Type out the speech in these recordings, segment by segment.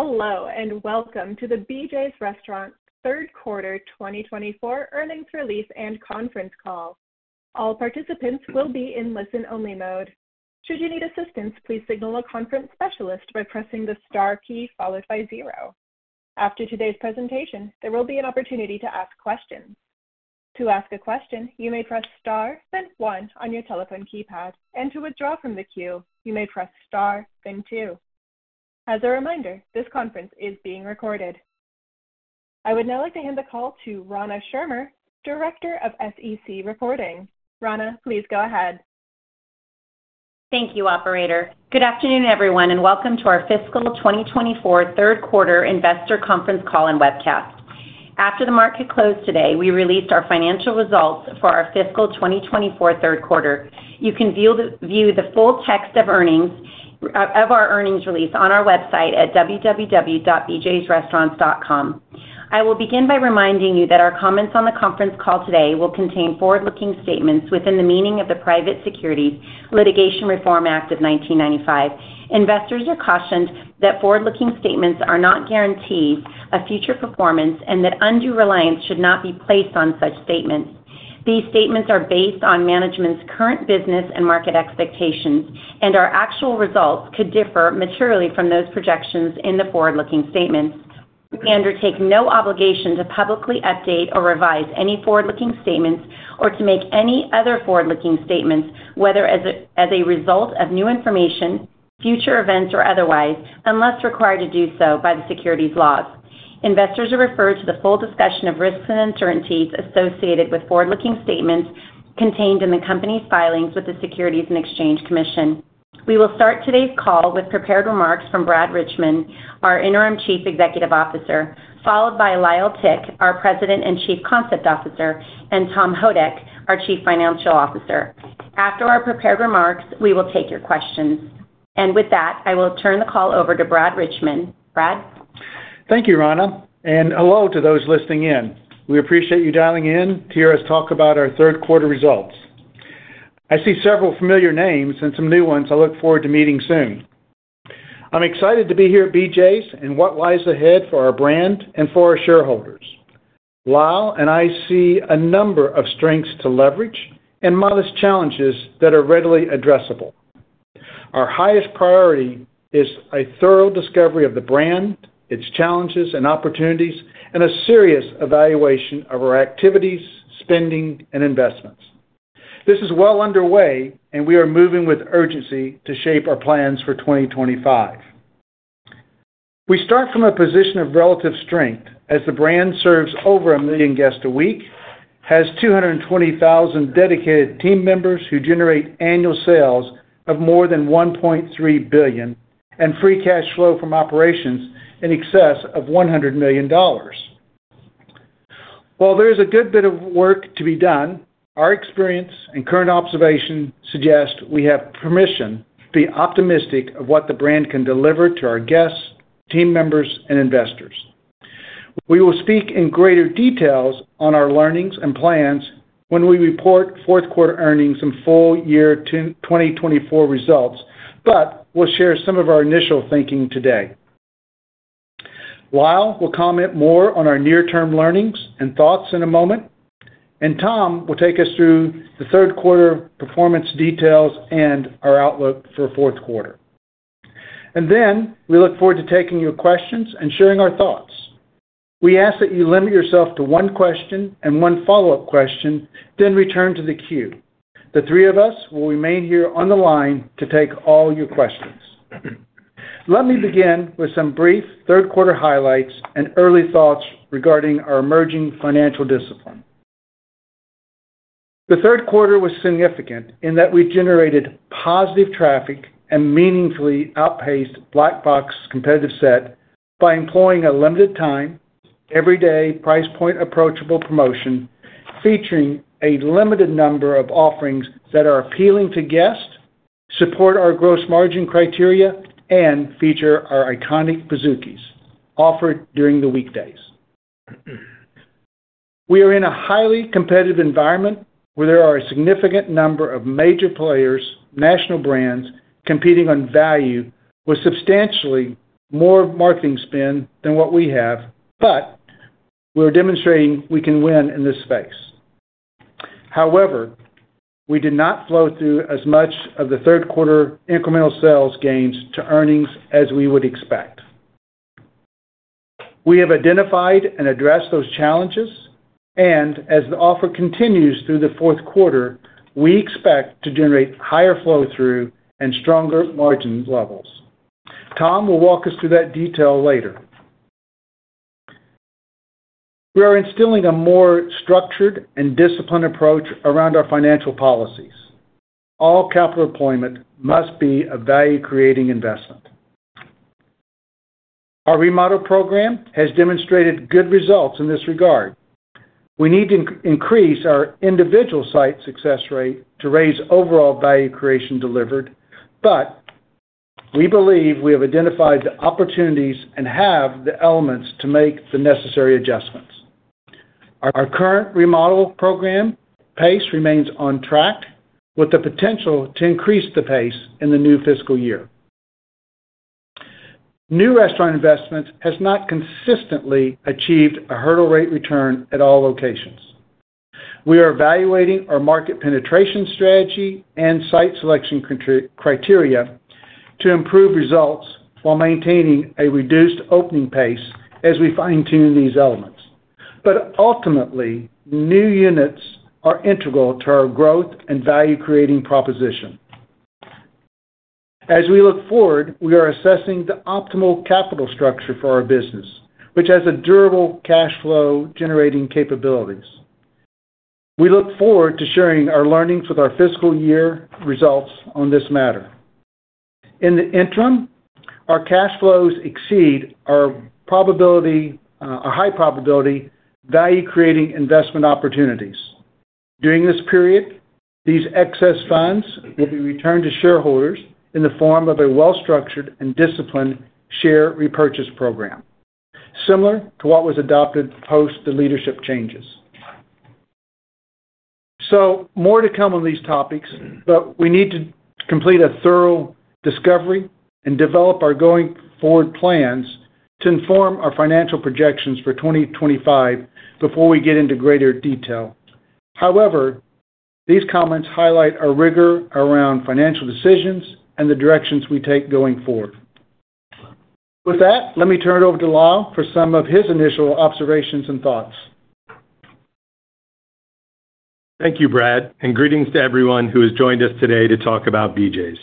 Hello, and welcome to the BJ's Restaurants' Third Quarter 2024 earnings release and conference call. All participants will be in listen-only mode. Should you need assistance, please signal a conference specialist by pressing the star key followed by zero. After today's presentation, there will be an opportunity to ask questions. To ask a question, you may press star, then one on your telephone keypad, and to withdraw from the queue, you may press star, then two. As a reminder, this conference is being recorded. I would now like to hand the call to Rana Schirmer, Director of SEC Reporting. Rana, please go ahead. Thank you, Operator. Good afternoon, everyone, and welcome to our Fiscal 2024 Third Quarter Investor Conference Call and Webcast. After the market closed today, we released our financial results for our Fiscal 2024 Third Quarter. You can view the full text of our earnings release on our website at www.bjsrestaurants.com. I will begin by reminding you that our comments on the conference call today will contain forward-looking statements within the meaning of the Private Securities Litigation Reform Act of 1995. Investors are cautioned that forward-looking statements are not guarantees of future performance and that undue reliance should not be placed on such statements. These statements are based on management's current business and market expectations, and our actual results could differ materially from those projections in the forward-looking statements. We undertake no obligation to publicly update or revise any forward-looking statements or to make any other forward-looking statements, whether as a result of new information, future events, or otherwise, unless required to do so by the securities laws. Investors are referred to the full discussion of risks and uncertainties associated with forward-looking statements contained in the company's filings with the Securities and Exchange Commission. We will start today's call with prepared remarks from Brad Richmond, our Interim Chief Executive Officer, followed by Lyle Tick, our President and Chief Concept Officer, and Tom Houdek, our Chief Financial Officer. After our prepared remarks, we will take your questions. And with that, I will turn the call over to Brad Richmond. Brad? Thank you, Rana, and hello to those listening in. We appreciate you dialing in to hear us talk about our third quarter results. I see several familiar names and some new ones I look forward to meeting soon. I'm excited to be here at BJ's and what lies ahead for our brand and for our shareholders. Lyle and I see a number of strengths to leverage and modest challenges that are readily addressable. Our highest priority is a thorough discovery of the brand, its challenges and opportunities, and a serious evaluation of our activities, spending, and investments. This is well underway, and we are moving with urgency to shape our plans for 2025. We start from a position of relative strength as the brand serves over a million guests a week, has 220,000 dedicated team members who generate annual sales of more than $1.3 billion, and free cash flow from operations in excess of $100 million. While there is a good bit of work to be done, our experience and current observation suggest we have permission to be optimistic of what the brand can deliver to our guests, team members, and investors. We will speak in greater details on our learnings and plans when we report fourth quarter earnings and full year 2024 results, but we'll share some of our initial thinking today. Lyle will comment more on our near-term learnings and thoughts in a moment, and Tom will take us through the third quarter performance details and our outlook for fourth quarter. And then we look forward to taking your questions and sharing our thoughts. We ask that you limit yourself to one question and one follow-up question, then return to the queue. The three of us will remain here on the line to take all your questions. Let me begin with some brief third quarter highlights and early thoughts regarding our emerging financial discipline. The third quarter was significant in that we generated positive traffic and meaningfully outpaced Black Box Competitive Set by employing a limited-time, everyday price point approachable promotion featuring a limited number of offerings that are appealing to guests, support our gross margin criteria, and feature our iconic Pizookies offered during the weekdays. We are in a highly competitive environment where there are a significant number of major players, national brands competing on value with substantially more marketing spend than what we have, but we're demonstrating we can win in this space. However, we did not flow through as much of the third quarter incremental sales gains to earnings as we would expect. We have identified and addressed those challenges, and as the offer continues through the fourth quarter, we expect to generate higher flow-through and stronger margin levels. Tom will walk us through that detail later. We are instilling a more structured and disciplined approach around our financial policies. All capital employment must be a value-creating investment. Our remodel program has demonstrated good results in this regard. We need to increase our individual site success rate to raise overall value creation delivered, but we believe we have identified the opportunities and have the elements to make the necessary adjustments. Our current remodel program pace remains on track with the potential to increase the pace in the new fiscal year. New restaurant investment has not consistently achieved a hurdle rate return at all locations. We are evaluating our market penetration strategy and site selection criteria to improve results while maintaining a reduced opening pace as we fine-tune these elements. But ultimately, new units are integral to our growth and value-creating proposition. As we look forward, we are assessing the optimal capital structure for our business, which has durable cash flow-generating capabilities. We look forward to sharing our learnings with our fiscal year results on this matter. In the interim, our cash flows exceed our high probability value-creating investment opportunities. During this period, these excess funds will be returned to shareholders in the form of a well-structured and disciplined share repurchase program, similar to what was adopted post the leadership changes. So more to come on these topics, but we need to complete a thorough discovery and develop our going-forward plans to inform our financial projections for 2025 before we get into greater detail. However, these comments highlight our rigor around financial decisions and the directions we take going forward. With that, let me turn it over to Lyle for some of his initial observations and thoughts. Thank you, Brad, and greetings to everyone who has joined us today to talk about BJ's.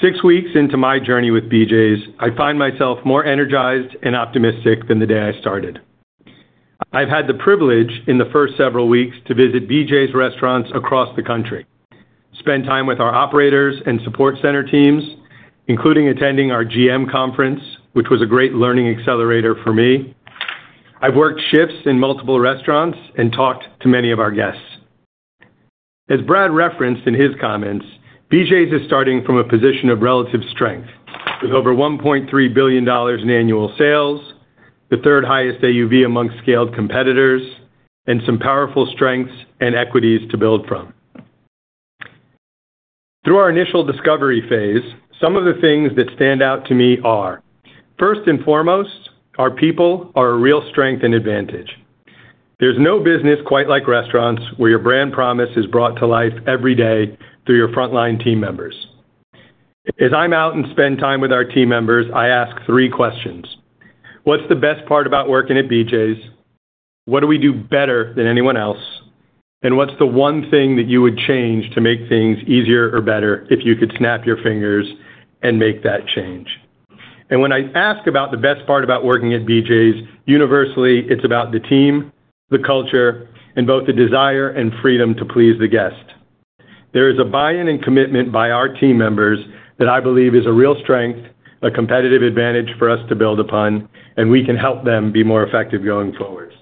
Six weeks into my journey with BJ's, I find myself more energized and optimistic than the day I started. I've had the privilege in the first several weeks to visit BJ's Restaurants across the country, spend time with our operators and support center teams, including attending our GM conference, which was a great learning accelerator for me. I've worked shifts in multiple restaurants and talked to many of our guests. As Brad referenced in his comments, BJ's is starting from a position of relative strength with over $1.3 billion in annual sales, the third highest AUV among scaled competitors, and some powerful strengths and equities to build from. Through our initial discovery phase, some of the things that stand out to me are, first and foremost, our people are a real strength and advantage. There's no business quite like restaurants where your brand promise is brought to life every day through your frontline team members. As I'm out and spend time with our team members, I ask three questions. What's the best part about working at BJ's? What do we do better than anyone else? And what's the one thing that you would change to make things easier or better if you could snap your fingers and make that change? And when I ask about the best part about working at BJ's, universally, it's about the team, the culture, and both the desire and freedom to please the guest. There is a buy-in and commitment by our team members that I believe is a real strength, a competitive advantage for us to build upon, and we can help them be more effective going forward.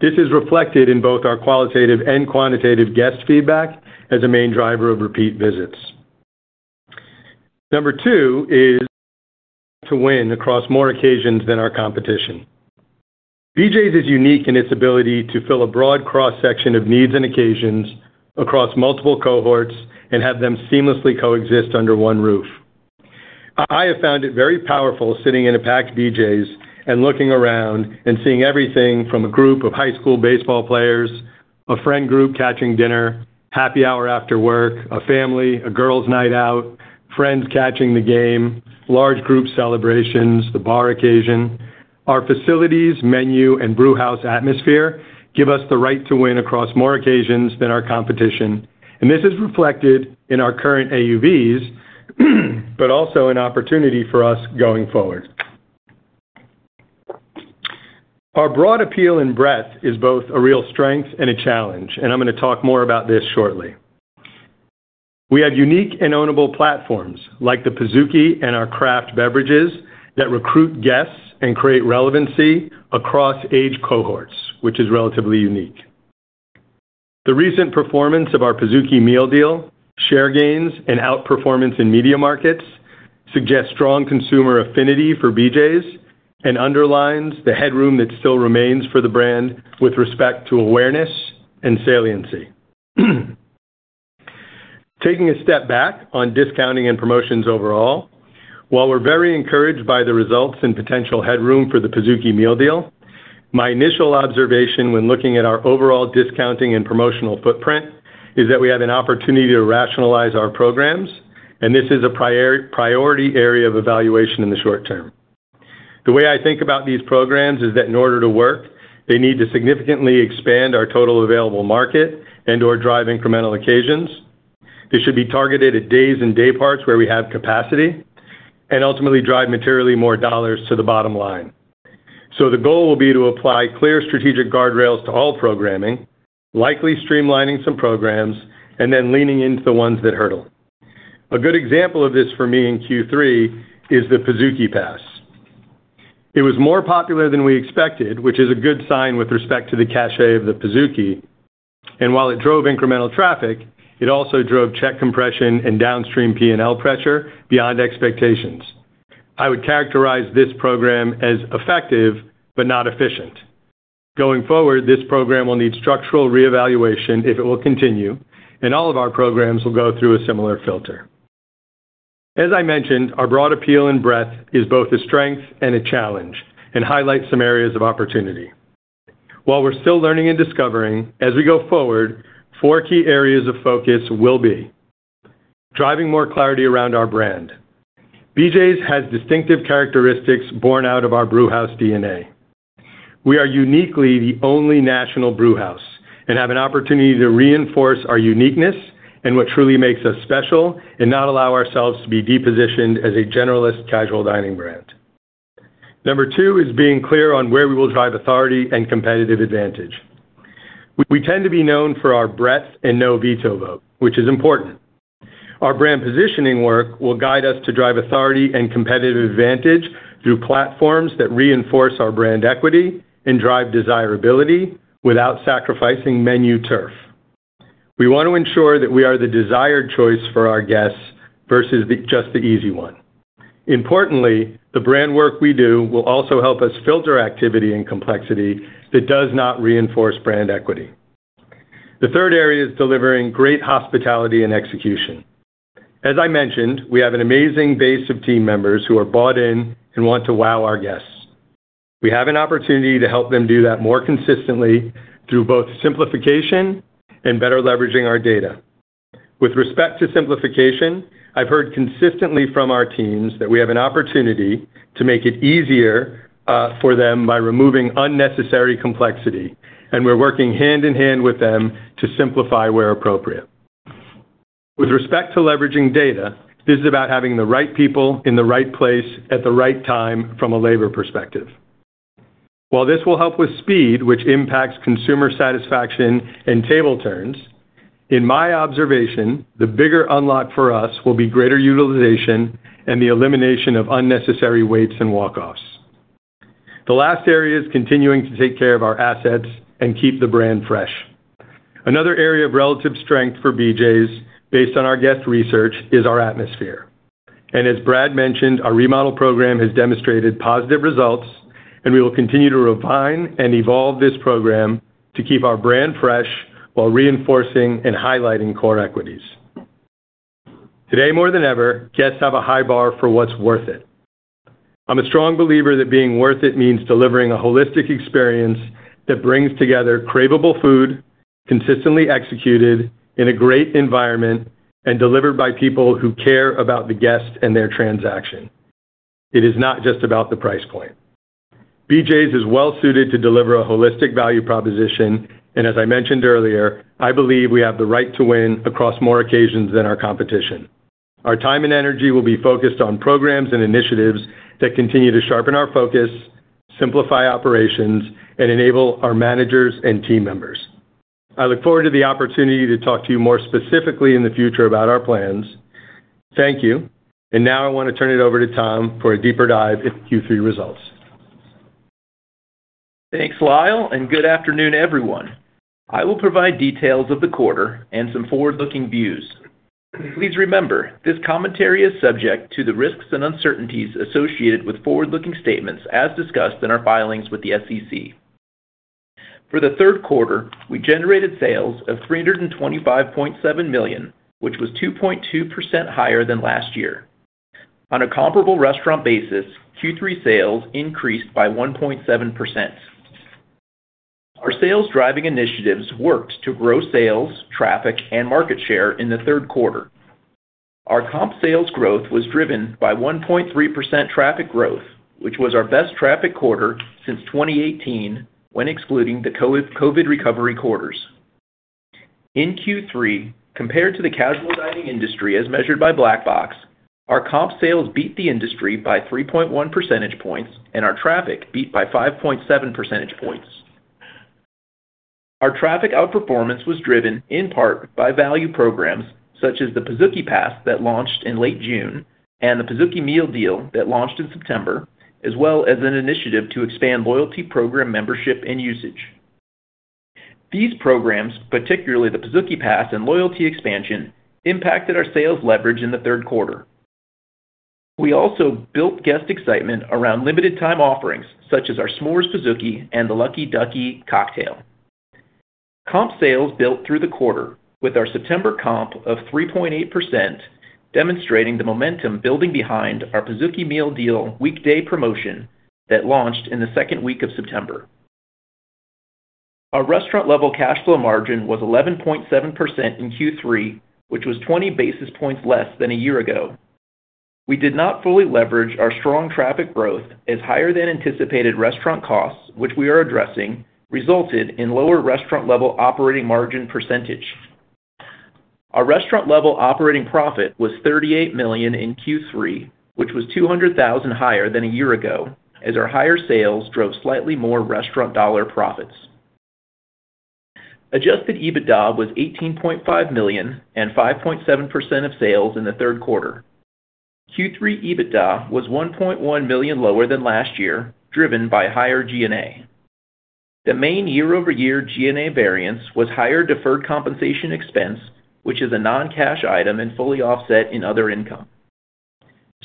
This is reflected in both our qualitative and quantitative guest feedback as a main driver of repeat visits. Number two is to win across more occasions than our competition. BJ's is unique in its ability to fill a broad cross-section of needs and occasions across multiple cohorts and have them seamlessly coexist under one roof. I have found it very powerful sitting in a packed BJ's and looking around and seeing everything from a group of high school baseball players, a friend group catching dinner, happy hour after work, a family, a girls' night out, friends catching the game, large group celebrations, the bar occasion. Our facilities, menu, and brewhouse atmosphere give us the right to win across more occasions than our competition. And this is reflected in our current AUVs, but also an opportunity for us going forward. Our broad appeal and breadth is both a real strength and a challenge, and I'm going to talk more about this shortly. We have unique and ownable platforms like the Pizookie and our craft beverages that recruit guests and create relevancy across age cohorts, which is relatively unique. The recent performance of our Pizookie Meal Deal, share gains, and outperformance in media markets suggests strong consumer affinity for BJ's and underlines the headroom that still remains for the brand with respect to awareness and saliency. Taking a step back on discounting and promotions overall, while we're very encouraged by the results and potential headroom for the Pizookie Meal Deal, my initial observation when looking at our overall discounting and promotional footprint is that we have an opportunity to rationalize our programs, and this is a priority area of evaluation in the short term. The way I think about these programs is that in order to work, they need to significantly expand our total available market and/or drive incremental occasions. They should be targeted at days and day parts where we have capacity and ultimately drive materially more dollars to the bottom line. So the goal will be to apply clear strategic guardrails to all programming, likely streamlining some programs, and then leaning into the ones that hurdle. A good example of this for me in Q3 is the Pizookie Pass. It was more popular than we expected, which is a good sign with respect to the cachet of the Pizookie. And while it drove incremental traffic, it also drove check compression and downstream P&L pressure beyond expectations. I would characterize this program as effective but not efficient. Going forward, this program will need structural reevaluation if it will continue, and all of our programs will go through a similar filter. As I mentioned, our broad appeal and breadth is both a strength and a challenge and highlights some areas of opportunity. While we're still learning and discovering, as we go forward, four key areas of focus will be driving more clarity around our brand. BJ's has distinctive characteristics borne out of our brewhouse DNA. We are uniquely the only national brewhouse and have an opportunity to reinforce our uniqueness and what truly makes us special and not allow ourselves to be depositioned as a generalist casual dining brand. Number two is being clear on where we will drive authority and competitive advantage. We tend to be known for our breadth and no veto vote, which is important. Our brand positioning work will guide us to drive authority and competitive advantage through platforms that reinforce our brand equity and drive desirability without sacrificing menu turf. We want to ensure that we are the desired choice for our guests versus just the easy one. Importantly, the brand work we do will also help us filter activity and complexity that does not reinforce brand equity. The third area is delivering great hospitality and execution. As I mentioned, we have an amazing base of team members who are bought in and want to wow our guests. We have an opportunity to help them do that more consistently through both simplification and better leveraging our data. With respect to simplification, I've heard consistently from our teams that we have an opportunity to make it easier for them by removing unnecessary complexity, and we're working hand in hand with them to simplify where appropriate. With respect to leveraging data, this is about having the right people in the right place at the right time from a labor perspective. While this will help with speed, which impacts consumer satisfaction and table turns, in my observation, the bigger unlock for us will be greater utilization and the elimination of unnecessary waits and walk-offs. The last area is continuing to take care of our assets and keep the brand fresh. Another area of relative strength for BJ's, based on our guest research, is our atmosphere. And as Brad mentioned, our remodel program has demonstrated positive results, and we will continue to refine and evolve this program to keep our brand fresh while reinforcing and highlighting core equities. Today, more than ever, guests have a high bar for what's worth it. I'm a strong believer that being worth it means delivering a holistic experience that brings together craveable food, consistently executed in a great environment, and delivered by people who care about the guest and their transaction. It is not just about the price point. BJ's is well-suited to deliver a holistic value proposition, and as I mentioned earlier, I believe we have the right to win across more occasions than our competition. Our time and energy will be focused on programs and initiatives that continue to sharpen our focus, simplify operations, and enable our managers and team members. I look forward to the opportunity to talk to you more specifically in the future about our plans. Thank you, and now I want to turn it over to Tom for a deeper dive into Q3 results. Thanks, Lyle, and good afternoon, everyone. I will provide details of the quarter and some forward-looking views. Please remember, this commentary is subject to the risks and uncertainties associated with forward-looking statements as discussed in our filings with the SEC. For the third quarter, we generated sales of $325.7 million, which was 2.2% higher than last year. On a comparable restaurant basis, Q3 sales increased by 1.7%. Our sales driving initiatives worked to grow sales, traffic, and market share in the third quarter. Our comp sales growth was driven by 1.3% traffic growth, which was our best traffic quarter since 2018 when excluding the COVID recovery quarters. In Q3, compared to the casual dining industry as measured by Black Box, our comp sales beat the industry by 3.1 percentage points, and our traffic beat by 5.7 percentage points. Our traffic outperformance was driven in part by value programs such as the Pizookie Pass that launched in late June and the Pizookie Meal Deal that launched in September, as well as an initiative to expand loyalty program membership and usage. These programs, particularly the Pizookie Pass and loyalty expansion, impacted our sales leverage in the third quarter. We also built guest excitement around limited-time offerings such as our S'mores Pizookie and the Lucky Ducky cocktail. Comp sales built through the quarter with our September comp of 3.8%, demonstrating the momentum building behind our Pizookie Meal Deal weekday promotion that launched in the second week of September. Our restaurant-level cash flow margin was 11.7% in Q3, which was 20 basis points less than a year ago. We did not fully leverage our strong traffic growth as higher than anticipated restaurant costs, which we are addressing, resulted in lower restaurant-level operating margin percentage. Our restaurant-level operating profit was $38 million in Q3, which was $200,000 higher than a year ago as our higher sales drove slightly more restaurant dollar profits. Adjusted EBITDA was $18.5 million and 5.7% of sales in the third quarter. Q3 EBITDA was $1.1 million lower than last year, driven by higher G&A. The main year-over-year G&A variance was higher deferred compensation expense, which is a non-cash item and fully offset in other income.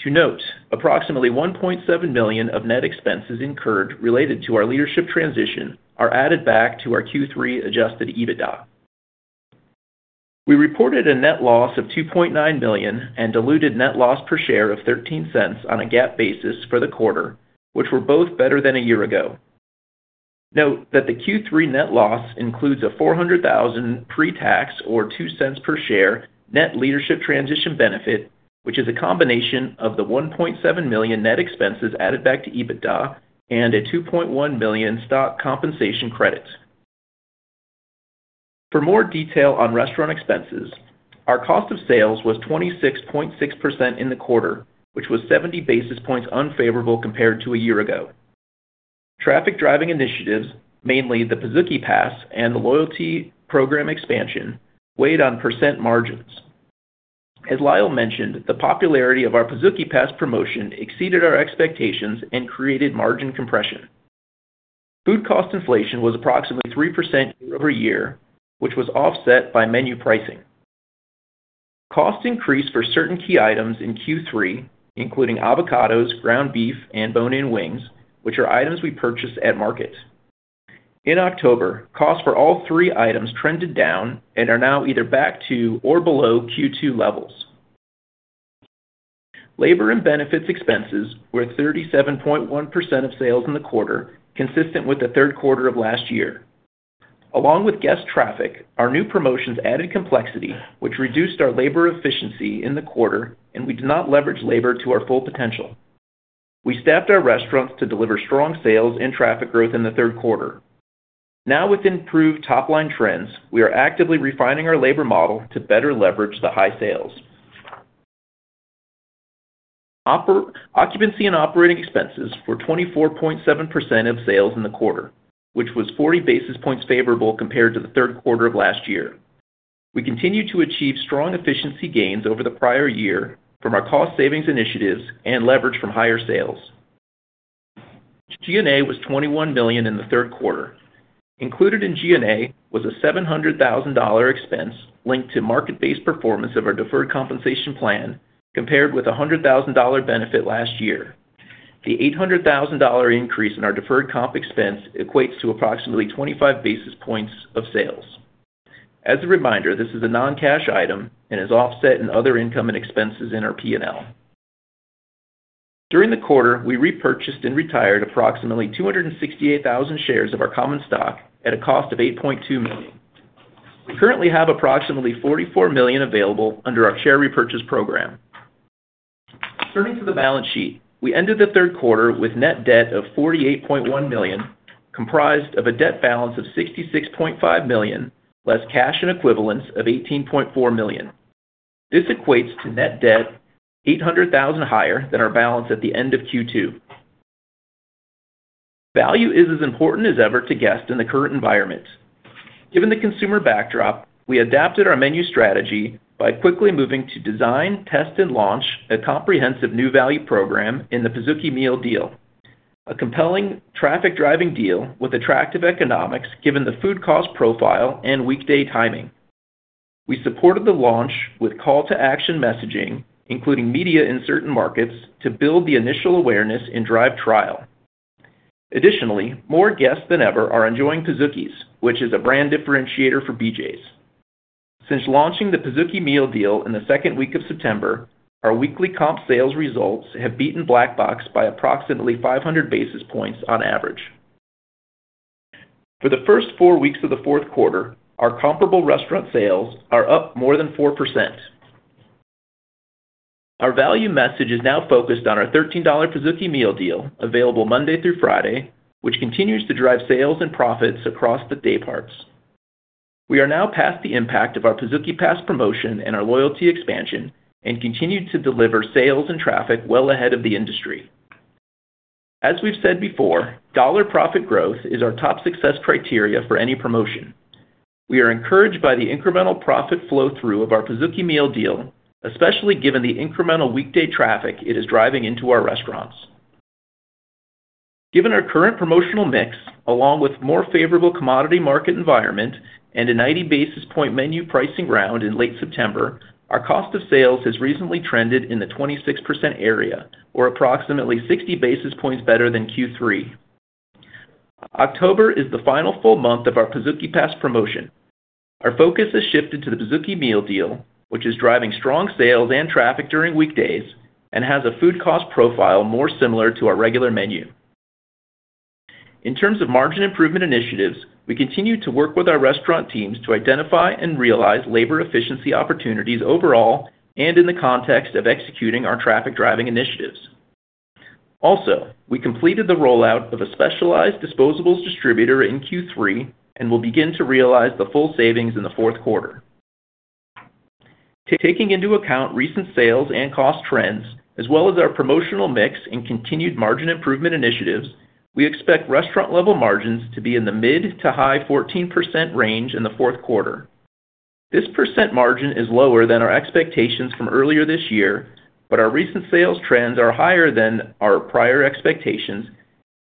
To note, approximately $1.7 million of net expenses incurred related to our leadership transition are added back to our Q3 adjusted EBITDA. We reported a net loss of $2.9 million and diluted net loss per share of $0.13 on a GAAP basis for the quarter, which were both better than a year ago. Note that the Q3 net loss includes a $400,000 pre-tax or $0.02 per share net leadership transition benefit, which is a combination of the $1.7 million net expenses added back to EBITDA and a $2.1 million stock compensation credit. For more detail on restaurant expenses, our cost of sales was 26.6% in the quarter, which was 70 basis points unfavorable compared to a year ago. Traffic driving initiatives, mainly the Pizookie Pass and the loyalty program expansion, weighed on percent margins. As Lyle mentioned, the popularity of our Pizookie Pass promotion exceeded our expectations and created margin compression. Food cost inflation was approximately 3% year-over-year, which was offset by menu pricing. Costs increased for certain key items in Q3, including avocados, ground beef, and bone-in wings, which are items we purchase at market. In October, costs for all three items trended down and are now either back to or below Q2 levels. Labor and benefits expenses were 37.1% of sales in the quarter, consistent with the third quarter of last year. Along with guest traffic, our new promotions added complexity, which reduced our labor efficiency in the quarter, and we did not leverage labor to our full potential. We staffed our restaurants to deliver strong sales and traffic growth in the third quarter. Now, with improved top-line trends, we are actively refining our labor model to better leverage the high sales. Occupancy and operating expenses were 24.7% of sales in the quarter, which was 40 basis points favorable compared to the third quarter of last year. We continue to achieve strong efficiency gains over the prior year from our cost savings initiatives and leverage from higher sales. G&A was $21 million in the third quarter. Included in G&A was a $700,000 expense linked to market-based performance of our deferred compensation plan compared with a $100,000 benefit last year. The $800,000 increase in our deferred comp expense equates to approximately 25 basis points of sales. As a reminder, this is a non-cash item and is offset in other income and expenses in our P&L. During the quarter, we repurchased and retired approximately 268,000 shares of our common stock at a cost of $8.2 million. We currently have approximately $44 million available under our share repurchase program. Turning to the balance sheet, we ended the third quarter with net debt of $48.1 million, comprised of a debt balance of $66.5 million less cash and equivalents of $18.4 million. This equates to net debt $800,000 higher than our balance at the end of Q2. Value is as important as ever to guests in the current environment. Given the consumer backdrop, we adapted our menu strategy by quickly moving to design, test, and launch a comprehensive new value program in the Pizookie Meal Deal, a compelling traffic-driving deal with attractive economics given the food cost profile and weekday timing. We supported the launch with call-to-action messaging, including media in certain markets, to build the initial awareness and drive trial. Additionally, more guests than ever are enjoying Pizookies, which is a brand differentiator for BJ's. Since launching the Pizookie Meal Deal in the second week of September, our weekly comp sales results have beaten Black Box by approximately 500 basis points on average. For the first four weeks of the fourth quarter, our comparable restaurant sales are up more than 4%. Our value message is now focused on our $13 Pizookie Meal Deal available Monday through Friday, which continues to drive sales and profits across the day parts. We are now past the impact of our Pizookie Pass promotion and our loyalty expansion and continue to deliver sales and traffic well ahead of the industry. As we've said before, dollar profit growth is our top success criteria for any promotion. We are encouraged by the incremental profit flow-through of our Pizookie Meal Deal, especially given the incremental weekday traffic it is driving into our restaurants. Given our current promotional mix, along with more favorable commodity market environment and a 90 basis point menu pricing round in late September, our cost of sales has recently trended in the 26% area, or approximately 60 basis points better than Q3. October is the final full month of our Pizookie Pass promotion. Our focus has shifted to the Pizookie Meal Deal, which is driving strong sales and traffic during weekdays and has a food cost profile more similar to our regular menu. In terms of margin improvement initiatives, we continue to work with our restaurant teams to identify and realize labor efficiency opportunities overall and in the context of executing our traffic-driving initiatives. Also, we completed the rollout of a specialized disposables distributor in Q3 and will begin to realize the full savings in the fourth quarter. Taking into account recent sales and cost trends, as well as our promotional mix and continued margin improvement initiatives, we expect restaurant-level margins to be in the mid to high 14% range in the fourth quarter. This percent margin is lower than our expectations from earlier this year, but our recent sales trends are higher than our prior expectations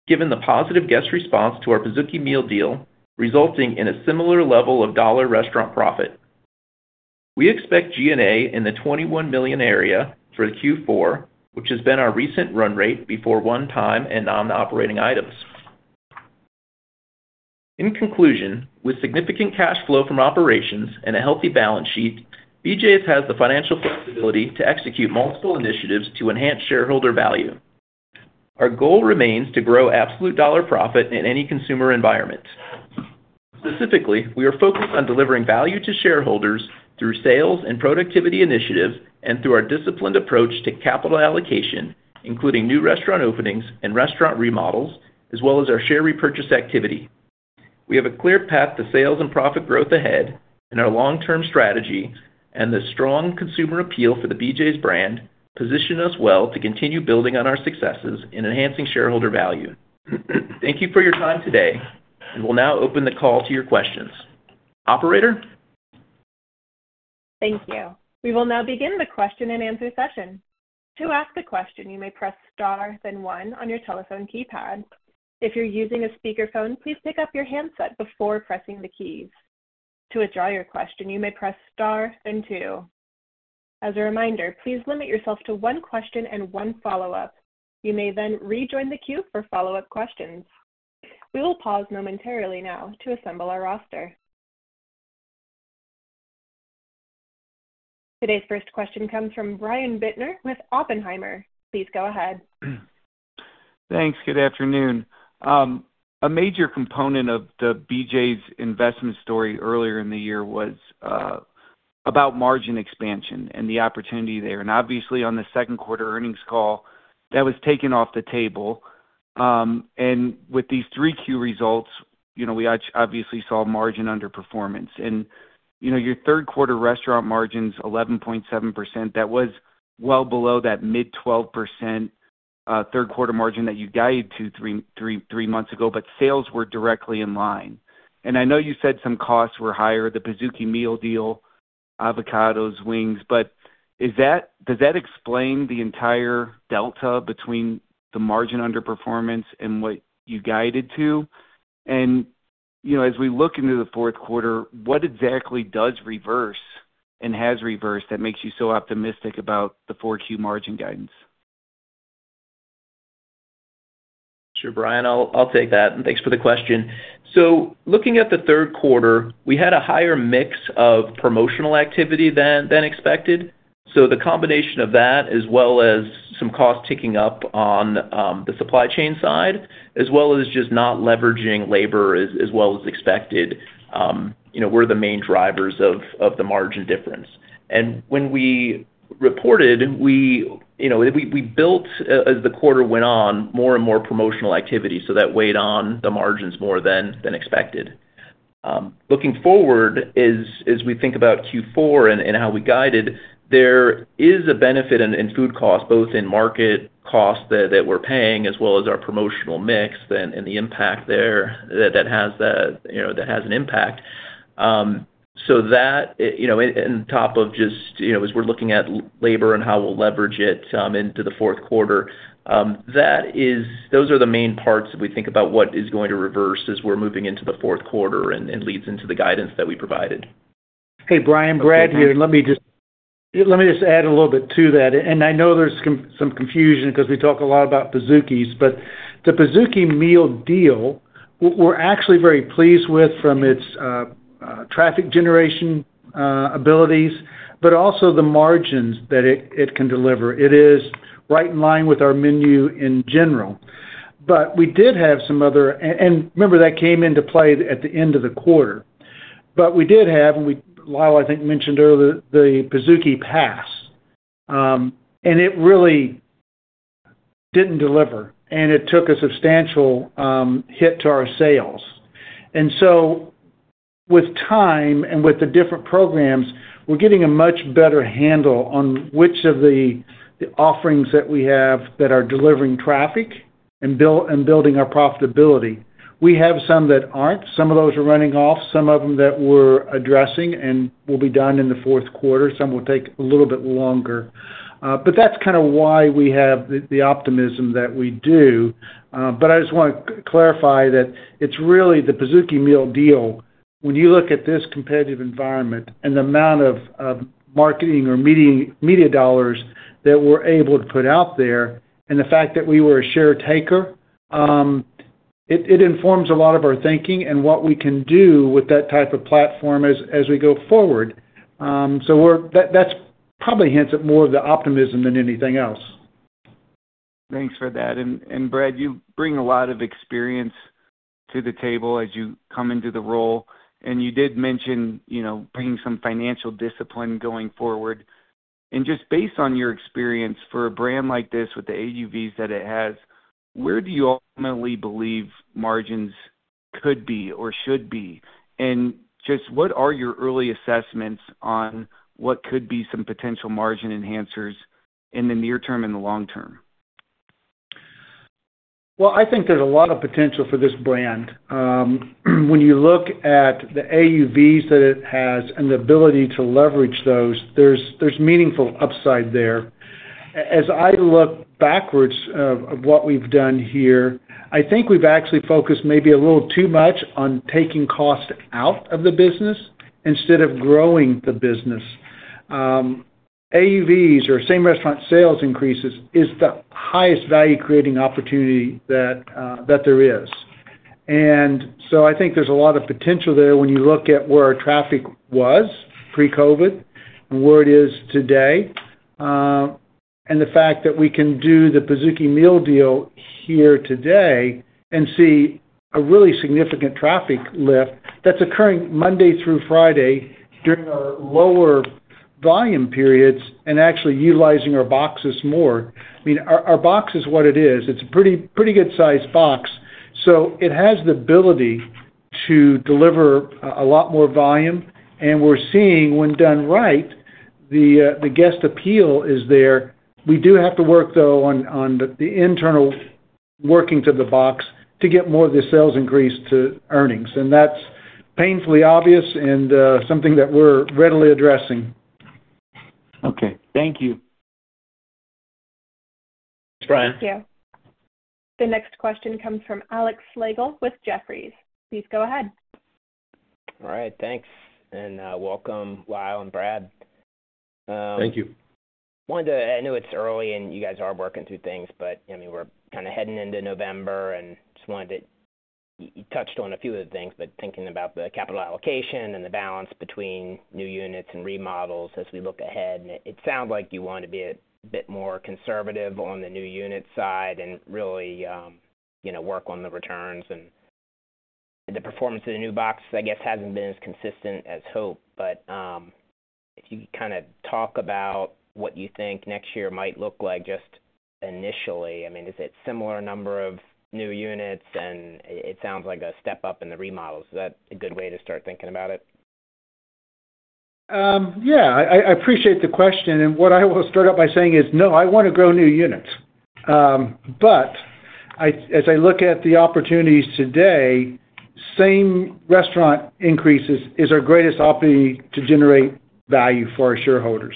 given the positive guest response to our Pizookie Meal Deal, resulting in a similar level of dollar restaurant profit. We expect G&A in the $21 million area for Q4, which has been our recent run rate before one-time and non-operating items. In conclusion, with significant cash flow from operations and a healthy balance sheet, BJ's has the financial flexibility to execute multiple initiatives to enhance shareholder value. Our goal remains to grow absolute dollar profit in any consumer environment. Specifically, we are focused on delivering value to shareholders through sales and productivity initiatives and through our disciplined approach to capital allocation, including new restaurant openings and restaurant remodels, as well as our share repurchase activity. We have a clear path to sales and profit growth ahead in our long-term strategy and the strong consumer appeal for the BJ's brand position us well to continue building on our successes in enhancing shareholder value. Thank you for your time today, and we'll now open the call to your questions. Operator? Thank you. We will now begin the question and answer session. To ask a question, you may press star then one on your telephone keypad. If you're using a speakerphone, please pick up your handset before pressing the keys. To withdraw your question, you may press star then two. As a reminder, please limit yourself to one question and one follow-up. You may then rejoin the queue for follow-up questions. We will pause momentarily now to assemble our roster. Today's first question comes from Brian Bittner with Oppenheimer. Please go ahead. Thanks. Good afternoon. A major component of the BJ's investment story earlier in the year was about margin expansion and the opportunity there. And obviously, on the second quarter earnings call, that was taken off the table. And with these 3Q results, we obviously saw margin underperformance. And your third quarter restaurant margins, 11.7%, that was well below that mid-12% third quarter margin that you guided to three months ago, but sales were directly in line. And I know you said some costs were higher, the Pizookie meal deal, avocados, wings, but does that explain the entire delta between the margin underperformance and what you guided to? And as we look into the fourth quarter, what exactly does reverse and has reversed that makes you so optimistic about the 4Q margin guidance? Sure, Brian. I'll take that. And thanks for the question. So looking at the third quarter, we had a higher mix of promotional activity than expected. So the combination of that, as well as some costs ticking up on the supply chain side, as well as just not leveraging labor as well as expected, were the main drivers of the margin difference. And when we reported, we built, as the quarter went on, more and more promotional activity. So that weighed on the margins more than expected. Looking forward, as we think about Q4 and how we guided, there is a benefit in food costs, both in market costs that we're paying as well as our promotional mix and the impact there that has an impact. So that, on top of just as we're looking at labor and how we'll leverage it into the fourth quarter, those are the main parts that we think about what is going to reverse as we're moving into the fourth quarter and leads into the guidance that we provided. Hey, Brian, Brad here. Let me just add a little bit to that. And I know there's some confusion because we talk a lot about Pizookies, but the Pizookie Meal Deal, we're actually very pleased with from its traffic generation abilities, but also the margins that it can deliver. It is right in line with our menu in general. But we did have some other and remember that came into play at the end of the quarter. But we did have, and Lyle, I think, mentioned earlier, the Pizookie Pass. And it really didn't deliver, and it took a substantial hit to our sales. And so with time and with the different programs, we're getting a much better handle on which of the offerings that we have that are delivering traffic and building our profitability. We have some that aren't. Some of those are running off. Some of them that we're addressing and will be done in the fourth quarter. Some will take a little bit longer. But that's kind of why we have the optimism that we do. But I just want to clarify that it's really the Pizookie Meal Deal, when you look at this competitive environment and the amount of marketing or media dollars that we're able to put out there and the fact that we were a share taker. It informs a lot of our thinking and what we can do with that type of platform as we go forward. So that probably hints at more of the optimism than anything else. Thanks for that. And Brad, you bring a lot of experience to the table as you come into the role. And you did mention bringing some financial discipline going forward. And just based on your experience for a brand like this with the AUVs that it has, where do you ultimately believe margins could be or should be? And just what are your early assessments on what could be some potential margin enhancers in the near term and the long term? I think there's a lot of potential for this brand. When you look at the AUVs that it has and the ability to leverage those, there's meaningful upside there. As I look backwards of what we've done here, I think we've actually focused maybe a little too much on taking cost out of the business instead of growing the business. AUVs or same restaurant sales increases is the highest value-creating opportunity that there is. I think there's a lot of potential there when you look at where our traffic was pre-COVID and where it is today. The fact that we can do the Pizookie meal deal here today and see a really significant traffic lift that's occurring Monday through Friday during our lower volume periods and actually utilizing our boxes more. I mean, our box is what it is. It's a pretty good-sized box. So it has the ability to deliver a lot more volume. And we're seeing, when done right, the guest appeal is there. We do have to work, though, on the internal working to the box to get more of the sales increase to earnings. And that's painfully obvious and something that we're readily addressing. Okay. Thank you. Thanks, Brian. Thank you. The next question comes from Alex Slagle with Jefferies. Please go ahead. All right. Thanks. And welcome, Lyle and Brad. Thank you. I know it's early and you guys are working through things, but I mean, we're kind of heading into November and just wanted you to touch on a few of the things, but thinking about the capital allocation and the balance between new units and remodels as we look ahead. It sounds like you want to be a bit more conservative on the new unit side and really work on the returns. The performance of the new box, I guess, hasn't been as consistent as hoped. But if you could kind of talk about what you think next year might look like just initially, I mean, is it a similar number of new units? It sounds like a step up in the remodels. Is that a good way to start thinking about it? Yeah. I appreciate the question. And what I will start out by saying is, no, I want to grow new units. But as I look at the opportunities today, same restaurant increases is our greatest opportunity to generate value for our shareholders.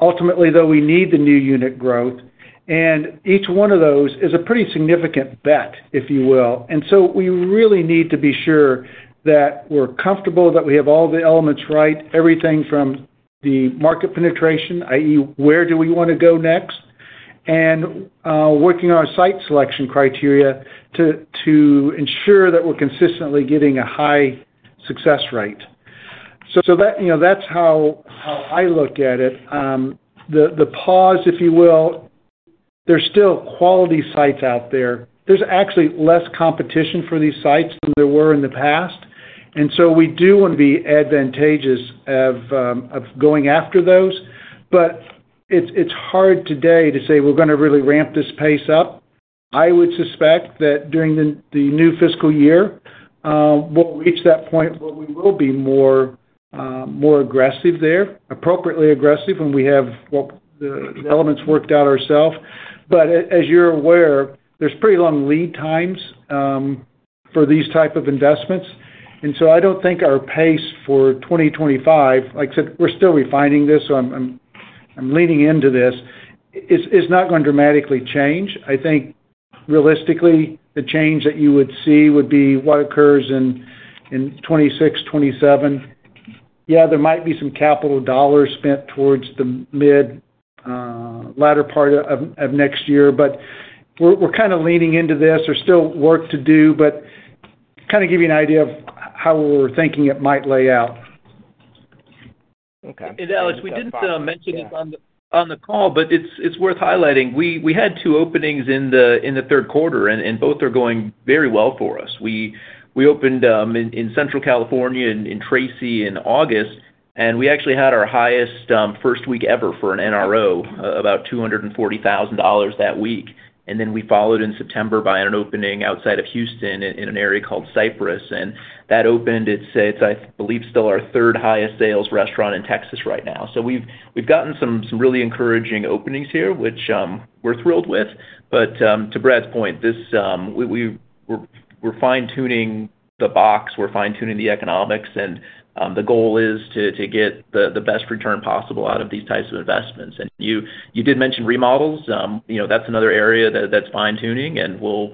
Ultimately, though, we need the new unit growth. And each one of those is a pretty significant bet, if you will. And so we really need to be sure that we're comfortable, that we have all the elements right, everything from the market penetration, i.e., where do we want to go next, and working on our site selection criteria to ensure that we're consistently getting a high success rate. So that's how I look at it. The pause, if you will, there's still quality sites out there. There's actually less competition for these sites than there were in the past. And so we do want to be advantageous of going after those. But it's hard today to say we're going to really ramp this pace up. I would suspect that during the new fiscal year, we'll reach that point where we will be more aggressive there, appropriately aggressive when we have the elements worked out ourselves. But as you're aware, there's pretty long lead times for these types of investments. And so I don't think our pace for 2025, like I said, we're still refining this, so I'm leaning into this, is not going to dramatically change. I think realistically, the change that you would see would be what occurs in 2026, 2027. Yeah, there might be some capital dollars spent towards the mid-latter part of next year, but we're kind of leaning into this. There's still work to do, but kind of give you an idea of how we're thinking it might lay out. Okay. And Alex, we didn't mention this on the call, but it's worth highlighting. We had two openings in the third quarter, and both are going very well for us. We opened in Central California and in Tracy in August, and we actually had our highest first week ever for an NRO, about $240,000 that week. And then we followed in September by an opening outside of Houston in an area called Cypress. And that opened, I believe, still our third highest sales restaurant in Texas right now. So we've gotten some really encouraging openings here, which we're thrilled with. But to Brad's point, we're fine-tuning the box. We're fine-tuning the economics. And the goal is to get the best return possible out of these types of investments. And you did mention remodels. That's another area that's fine-tuning. And we'll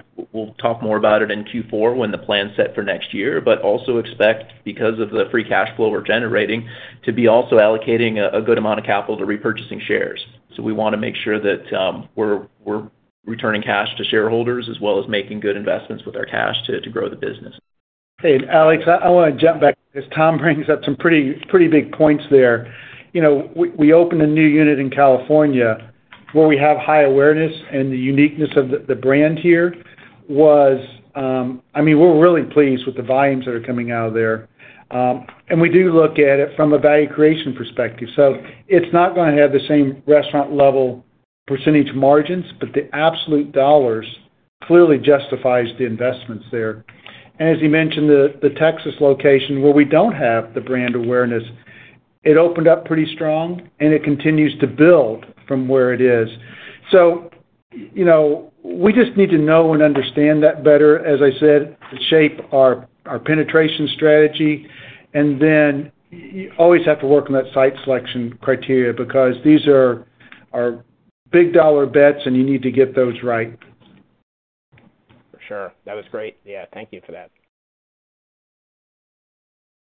talk more about it in Q4 when the plan's set for next year, but also expect, because of the free cash flow we're generating, to be also allocating a good amount of capital to repurchasing shares. So we want to make sure that we're returning cash to shareholders as well as making good investments with our cash to grow the business. Hey, Alex, I want to jump back because Tom brings up some pretty big points there. We opened a new unit in California where we have high awareness, and the uniqueness of the brand here was, I mean, we're really pleased with the volumes that are coming out of there. And we do look at it from a value creation perspective. So it's not going to have the same restaurant-level percentage margins, but the absolute dollars clearly justify the investments there. And as you mentioned, the Texas location where we don't have the brand awareness, it opened up pretty strong, and it continues to build from where it is. So we just need to know and understand that better, as I said, to shape our penetration strategy. You always have to work on that site selection criteria because these are big-dollar bets, and you need to get those right. For sure. That was great. Yeah. Thank you for that.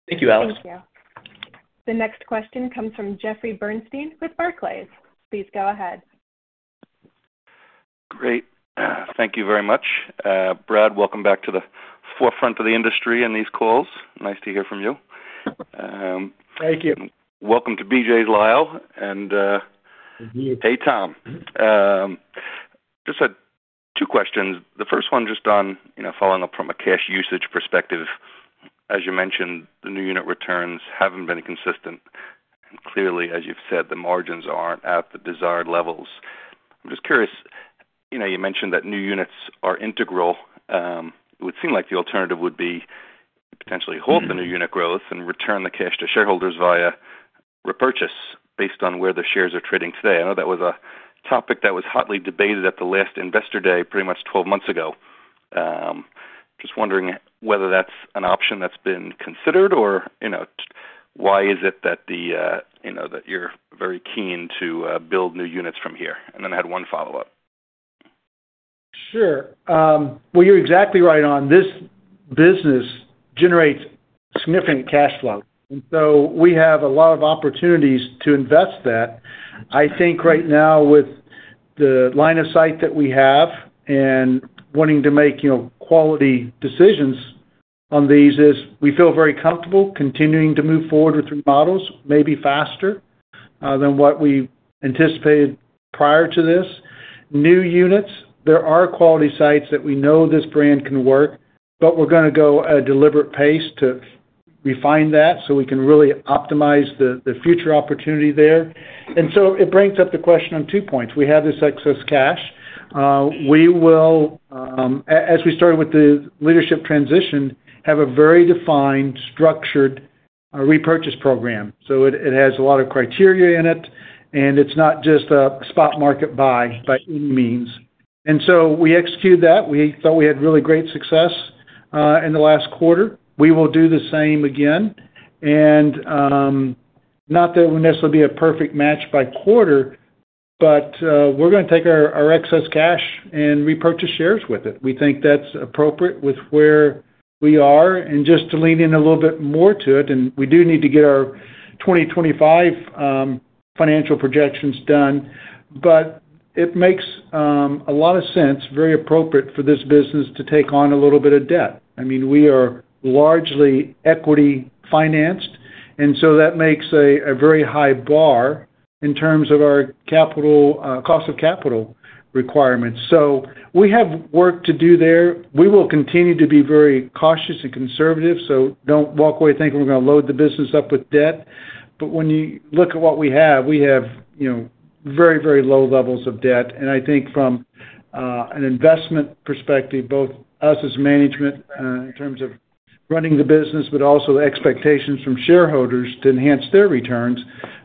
Thank you, Alex. Thank you. The next question comes from Jeffrey Bernstein with Barclays. Please go ahead. Great. Thank you very much. Brad, welcome back to the forefront of the industry in these calls. Nice to hear from you. Thank you. Welcome to BJ's, Lyle. And hey, Tom. Just two questions. The first one just on following up from a cash usage perspective. As you mentioned, the new unit returns haven't been consistent. And clearly, as you've said, the margins aren't at the desired levels. I'm just curious. You mentioned that new units are integral. It would seem like the alternative would be to potentially hold the new unit growth and return the cash to shareholders via repurchase based on where the shares are trading today. I know that was a topic that was hotly debated at the last investor day pretty much 12 months ago. Just wondering whether that's an option that's been considered or why is it that you're very keen to build new units from here. And then I had one follow-up. Sure. Well, you're exactly right on. This business generates significant cash flow. And so we have a lot of opportunities to invest that. I think right now, with the line of sight that we have and wanting to make quality decisions on these, we feel very comfortable continuing to move forward with remodels, maybe faster than what we anticipated prior to this. New units, there are quality sites that we know this brand can work, but we're going to go at a deliberate pace to refine that so we can really optimize the future opportunity there. And so it brings up the question on two points. We have this excess cash. We will, as we started with the leadership transition, have a very defined, structured repurchase program. So it has a lot of criteria in it, and it's not just a spot market buy by any means. We execute that. We thought we had really great success in the last quarter. We will do the same again. Not that it will necessarily be a perfect match by quarter, but we're going to take our excess cash and repurchase shares with it. We think that's appropriate with where we are and just to lean in a little bit more to it. We do need to get our 2025 financial projections done. It makes a lot of sense, very appropriate for this business to take on a little bit of debt. I mean, we are largely equity financed. That makes a very high bar in terms of our cost of capital requirements. We have work to do there. We will continue to be very cautious and conservative. Don't walk away thinking we're going to load the business up with debt. But when you look at what we have, we have very, very low levels of debt. And I think from an investment perspective, both us as management in terms of running the business, but also the expectations from shareholders to enhance their returns,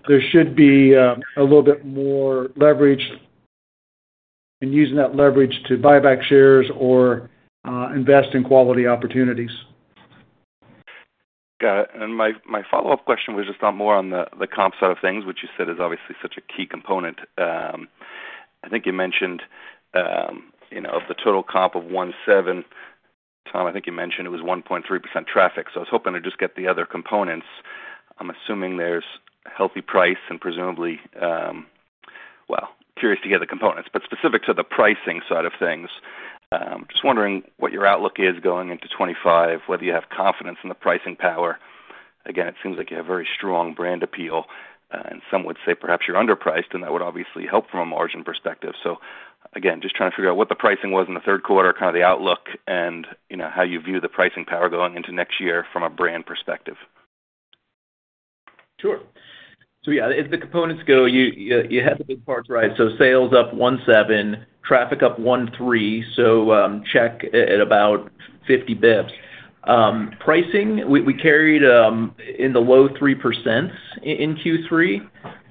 there should be a little bit more leverage and using that leverage to buy back shares or invest in quality opportunities. Got it, and my follow-up question was just on more on the comp side of things, which you said is obviously such a key component. I think you mentioned the total comp of 17%. Tom, I think you mentioned it was 1.3% traffic. So I was hoping to just get the other components. I'm assuming there's healthy price and presumably, well, curious to get the components. But specific to the pricing side of things, just wondering what your outlook is going into 2025, whether you have confidence in the pricing power. Again, it seems like you have very strong brand appeal, and some would say perhaps you're underpriced, and that would obviously help from a margin perspective. So again, just trying to figure out what the pricing was in the third quarter, kind of the outlook, and how you view the pricing power going into next year from a brand perspective. Sure. So yeah, as the components go, you had the big parts right. So sales up 17%, traffic up 13%, so check at about 50 basis points. Pricing, we carried in the low 3%s in Q3.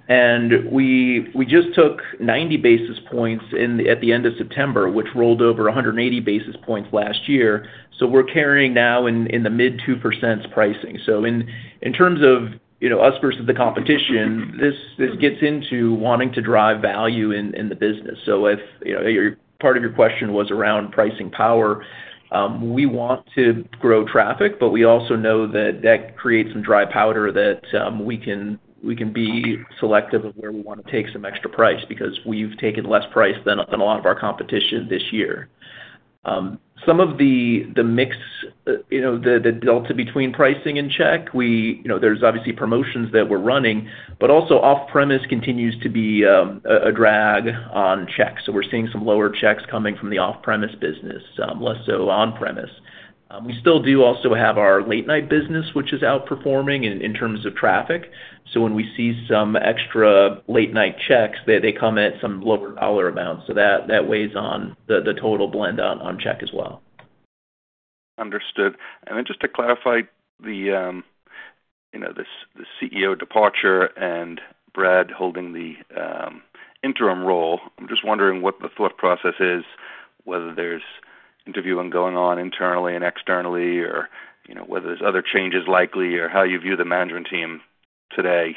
And we just took 90 basis points at the end of September, which rolled over 180 basis points last year. So we're carrying now in the mid 2%s pricing. So in terms of us versus the competition, this gets into wanting to drive value in the business. So part of your question was around pricing power. We want to grow traffic, but we also know that that creates some dry powder that we can be selective of where we want to take some extra price because we've taken less price than a lot of our competition this year. Some of the mix, the delta between pricing and check, there's obviously promotions that we're running, but also off-premise continues to be a drag on checks. So we're seeing some lower checks coming from the off-premise business, less so on-premise. We still do also have our late-night business, which is outperforming in terms of traffic. So when we see some extra late-night checks, they come at some lower dollar amounts. So that weighs on the total blend on check as well. Understood. And then just to clarify the CEO departure and Brad holding the interim role, I'm just wondering what the thought process is, whether there's interviewing going on internally and externally, or whether there's other changes likely, or how you view the management team today,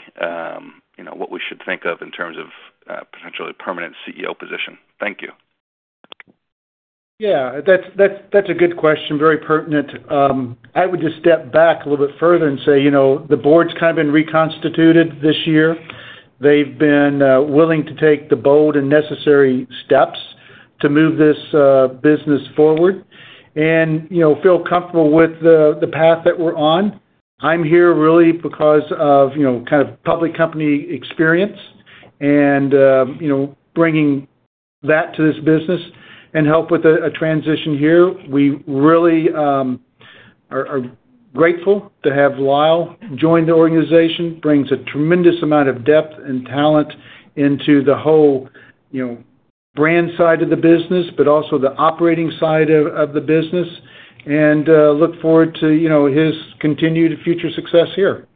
what we should think of in terms of potentially a permanent CEO position? Thank you. Yeah. That's a good question. Very pertinent. I would just step back a little bit further and say the board's kind of been reconstituted this year. They've been willing to take the bold and necessary steps to move this business forward and feel comfortable with the path that we're on. I'm here really because of kind of public company experience and bringing that to this business and help with a transition here. We really are grateful to have Lyle join the organization, brings a tremendous amount of depth and talent into the whole brand side of the business, but also the operating side of the business, and look forward to his continued future success here.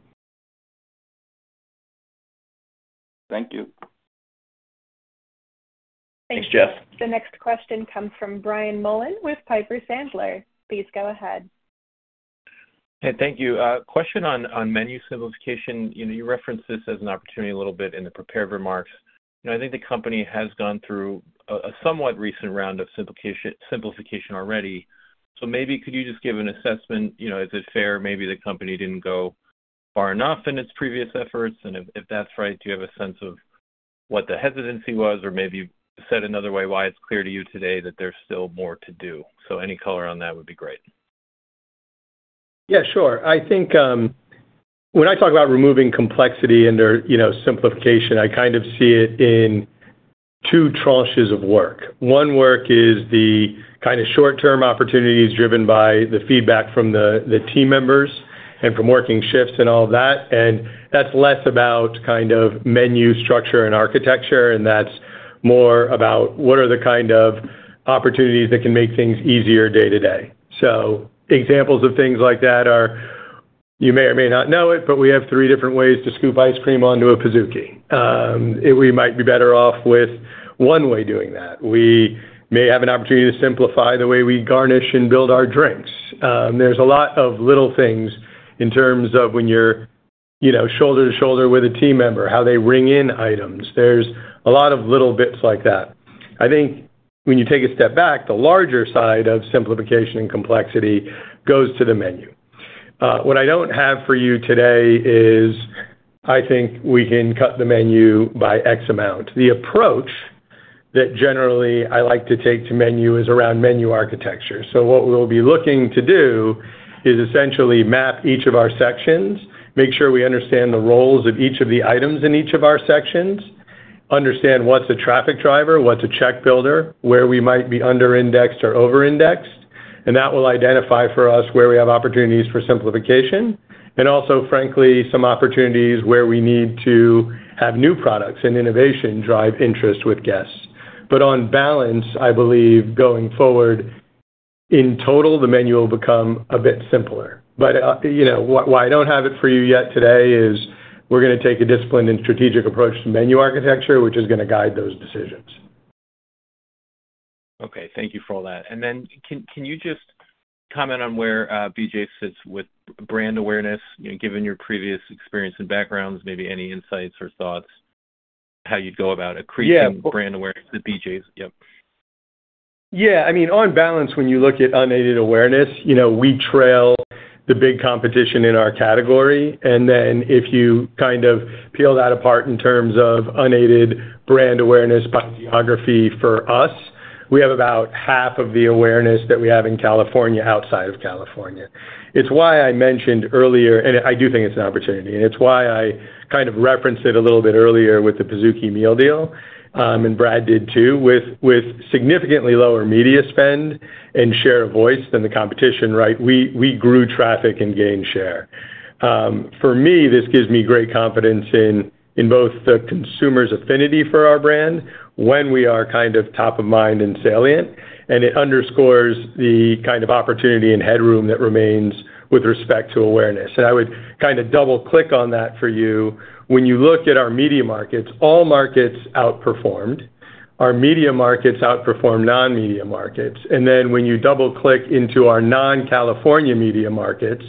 Thank you. Thanks, Jeff. The next question comes from Brian Mullan with Piper Sandler. Please go ahead. Hey, thank you. Question on menu simplification. You referenced this as an opportunity a little bit in the prepared remarks. I think the company has gone through a somewhat recent round of simplification already. So maybe could you just give an assessment? Is it fair? Maybe the company didn't go far enough in its previous efforts. And if that's right, do you have a sense of what the hesitancy was or maybe said another way why it's clear to you today that there's still more to do? So any color on that would be great. Yeah, sure. I think when I talk about removing complexity and simplification, I kind of see it in two tranches of work. One work is the kind of short-term opportunities driven by the feedback from the team members and from working shifts and all that. And that's less about kind of menu structure and architecture, and that's more about what are the kind of opportunities that can make things easier day to day. So examples of things like that are, you may or may not know it, but we have three different ways to scoop ice cream onto a Pizookie and we might be better off with one way doing that. We may have an opportunity to simplify the way we garnish and build our drinks. There's a lot of little things in terms of when you're shoulder to shoulder with a team member, how they ring in items. There's a lot of little bits like that. I think when you take a step back, the larger side of simplification and complexity goes to the menu. What I don't have for you today is, I think we can cut the menu by X amount. The approach that generally I like to take to menu is around menu architecture. So what we'll be looking to do is essentially map each of our sections, make sure we understand the roles of each of the items in each of our sections, understand what's a traffic driver, what's a check builder, where we might be under-indexed or over-indexed. And that will identify for us where we have opportunities for simplification and also, frankly, some opportunities where we need to have new products and innovation drive interest with guests. But on balance, I believe going forward, in total, the menu will become a bit simpler. But why I don't have it for you yet today is we're going to take a disciplined and strategic approach to menu architecture, which is going to guide those decisions. Okay. Thank you for all that. And then can you just comment on where BJ's sits with brand awareness, given your previous experience and backgrounds, maybe any insights or thoughts, how you'd go about accreting brand awareness at BJ's? Yep. Yeah. I mean, on balance, when you look at unaided awareness, we trail the big competition in our category. And then if you kind of peel that apart in terms of unaided brand awareness by geography for us, we have about half of the awareness that we have in California outside of California. It's why I mentioned earlier, and I do think it's an opportunity, and it's why I kind of referenced it a little bit earlier with the Pizookie meal deal, and Brad did too, with significantly lower media spend and share of voice than the competition, right? We grew traffic and gained share. For me, this gives me great confidence in both the consumer's affinity for our brand when we are kind of top of mind and salient. And it underscores the kind of opportunity and headroom that remains with respect to awareness. I would kind of double-click on that for you. When you look at our media markets, all markets outperformed. Our media markets outperform non-media markets. And then when you double-click into our non-California media markets,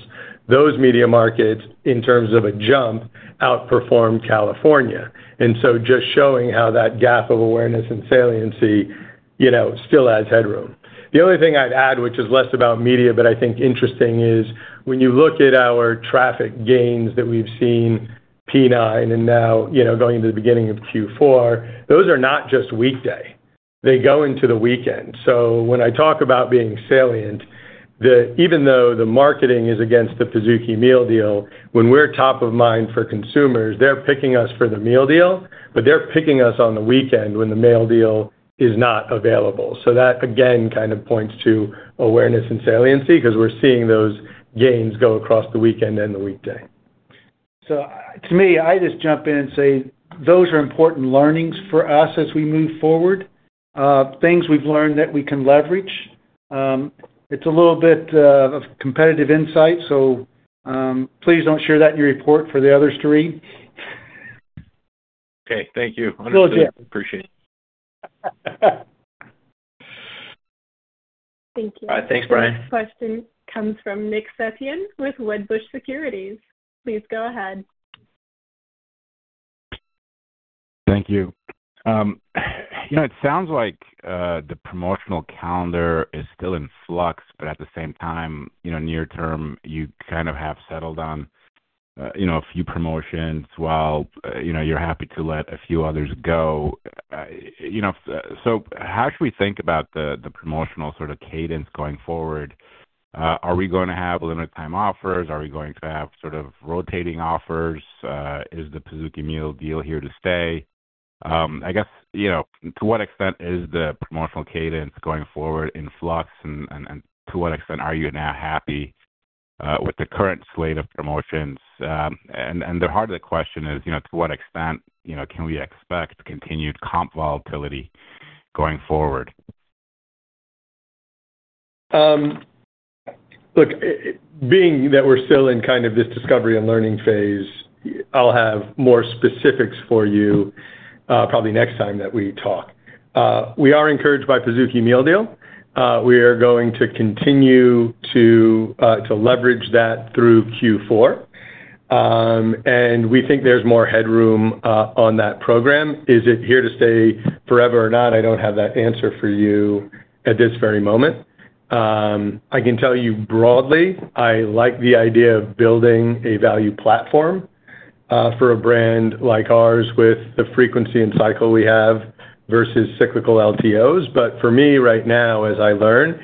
those media markets, in terms of a jump, outperformed California. And so just showing how that gap of awareness and saliency still has headroom. The only thing I'd add, which is less about media, but I think interesting is when you look at our traffic gains that we've seen P9 and now going to the beginning of Q4, those are not just weekday. They go into the weekend. So when I talk about being salient, even though the marketing is against the Pizookie meal deal, when we're top of mind for consumers, they're picking us for the meal deal, but they're picking us on the weekend when the meal deal is not available. So that, again, kind of points to awareness and saliency because we're seeing those gains go across the weekend and the weekday. So to me, I just jump in and say those are important learnings for us as we move forward, things we've learned that we can leverage. It's a little bit of competitive insight. So please don't share that in your report for the others to read. Okay. Thank you. Thank you. Appreciate it. Thank you. All right. Thanks, Brian. Next question comes from Nick Setyan with Wedbush Securities. Please go ahead. Thank you. It sounds like the promotional calendar is still in flux, but at the same time, near term, you kind of have settled on a few promotions while you're happy to let a few others go. So how should we think about the promotional sort of cadence going forward? Are we going to have limited-time offers? Are we going to have sort of rotating offers? Is the Pizookie meal deal here to stay? I guess to what extent is the promotional cadence going forward in flux? And to what extent are you now happy with the current slate of promotions? And the heart of the question is to what extent can we expect continued comp volatility going forward? Look, being that we're still in kind of this discovery and learning phase, I'll have more specifics for you probably next time that we talk. We are encouraged by Pizookie meal deal. We are going to continue to leverage that through Q4. And we think there's more headroom on that program. Is it here to stay forever or not? I don't have that answer for you at this very moment. I can tell you broadly, I like the idea of building a value platform for a brand like ours with the frequency and cycle we have versus cyclical LTOs. But for me right now, as I learn,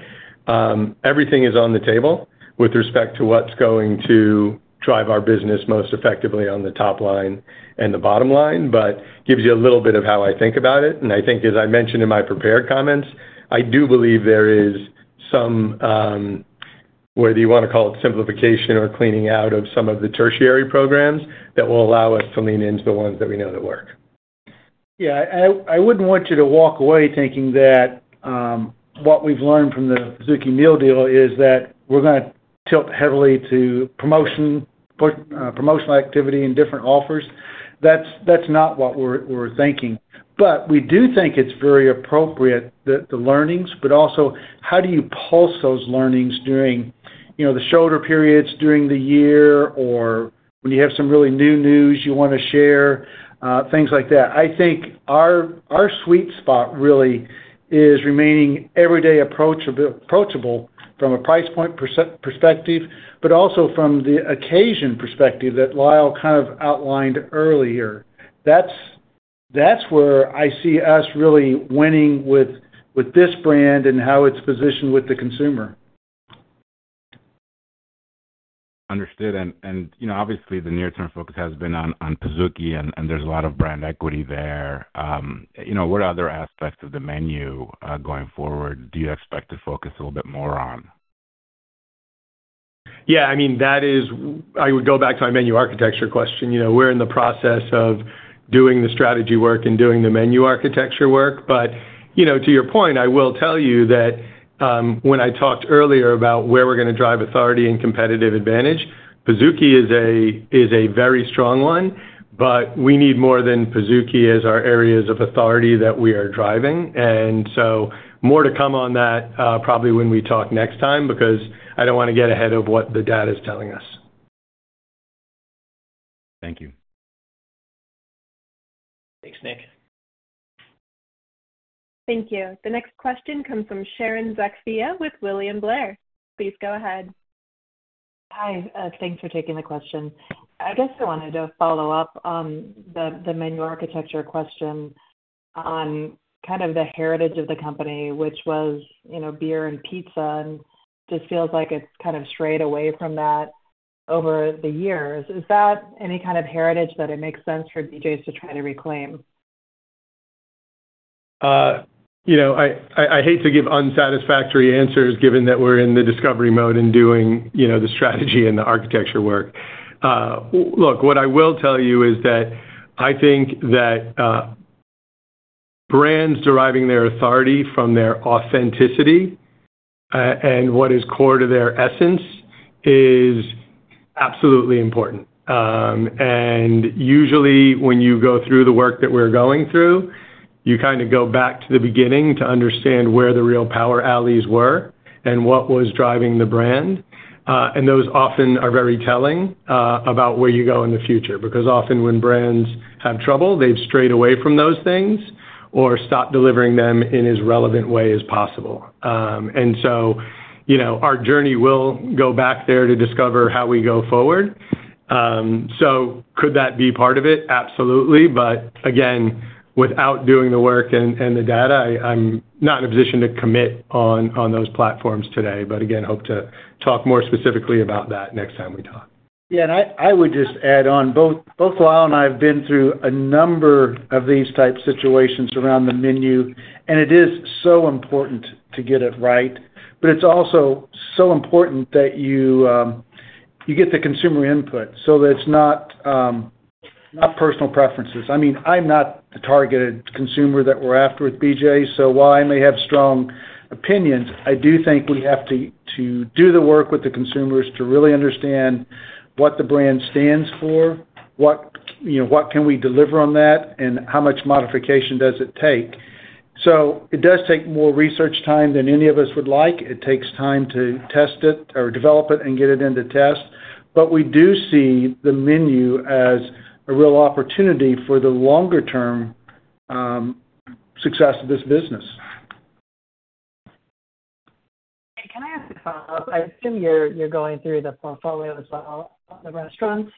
everything is on the table with respect to what's going to drive our business most effectively on the top line and the bottom line, but gives you a little bit of how I think about it. I think, as I mentioned in my prepared comments, I do believe there is some, whether you want to call it simplification or cleaning out of some of the tertiary programs that will allow us to lean into the ones that we know that work. Yeah. I wouldn't want you to walk away thinking that what we've learned from the Pizookie meal deal is that we're going to tilt heavily to promotional activity and different offers. That's not what we're thinking. But we do think it's very appropriate that the learnings, but also how do you pulse those learnings during the shoulder periods during the year or when you have some really new news you want to share, things like that. I think our sweet spot really is remaining everyday approachable from a price point perspective, but also from the occasion perspective that Lyle kind of outlined earlier. That's where I see us really winning with this brand and how it's positioned with the consumer. Understood. And obviously, the near-term focus has been on Pizookie, and there's a lot of brand equity there. What other aspects of the menu going forward do you expect to focus a little bit more on? Yeah. I mean, that is I would go back to my menu architecture question. We're in the process of doing the strategy work and doing the menu architecture work. But to your point, I will tell you that when I talked earlier about where we're going to drive authority and competitive advantage, Pizookie is a very strong one, but we need more than Pizookie as our areas of authority that we are driving. And so more to come on that probably when we talk next time because I don't want to get ahead of what the data is telling us. Thank you. Thanks, Nick. Thank you. The next question comes from Sharon Zackfia with William Blair. Please go ahead. Hi. Thanks for taking the question. I guess I wanted to follow up on the menu architecture question on kind of the heritage of the company, which was beer and pizza, and just feels like it's kind of strayed away from that over the years. Is that any kind of heritage that it makes sense for BJ's to try to reclaim? I hate to give unsatisfactory answers given that we're in the discovery mode and doing the strategy and the architecture work. Look, what I will tell you is that I think that brands deriving their authority from their authenticity and what is core to their essence is absolutely important, and usually, when you go through the work that we're going through, you kind of go back to the beginning to understand where the real power alleys were and what was driving the brand, and those often are very telling about where you go in the future because often when brands have trouble, they've strayed away from those things or stopped delivering them in as relevant way as possible, and so our journey will go back there to discover how we go forward, so could that be part of it? Absolutely. But again, without doing the work and the data, I'm not in a position to commit on those platforms today, but again, hope to talk more specifically about that next time we talk. Yeah, and I would just add on both Lyle and I have been through a number of these types of situations around the menu, and it is so important to get it right, but it's also so important that you get the consumer input so that it's not personal preferences. I mean, I'm not the targeted consumer that we're after with BJ's. So while I may have strong opinions, I do think we have to do the work with the consumers to really understand what the brand stands for, what can we deliver on that, and how much modification does it take. So it does take more research time than any of us would like. It takes time to test it or develop it and get it into test. But we do see the menu as a real opportunity for the longer-term success of this business. Can I ask a follow-up? I assume you're going through the portfolio as well of the restaurants.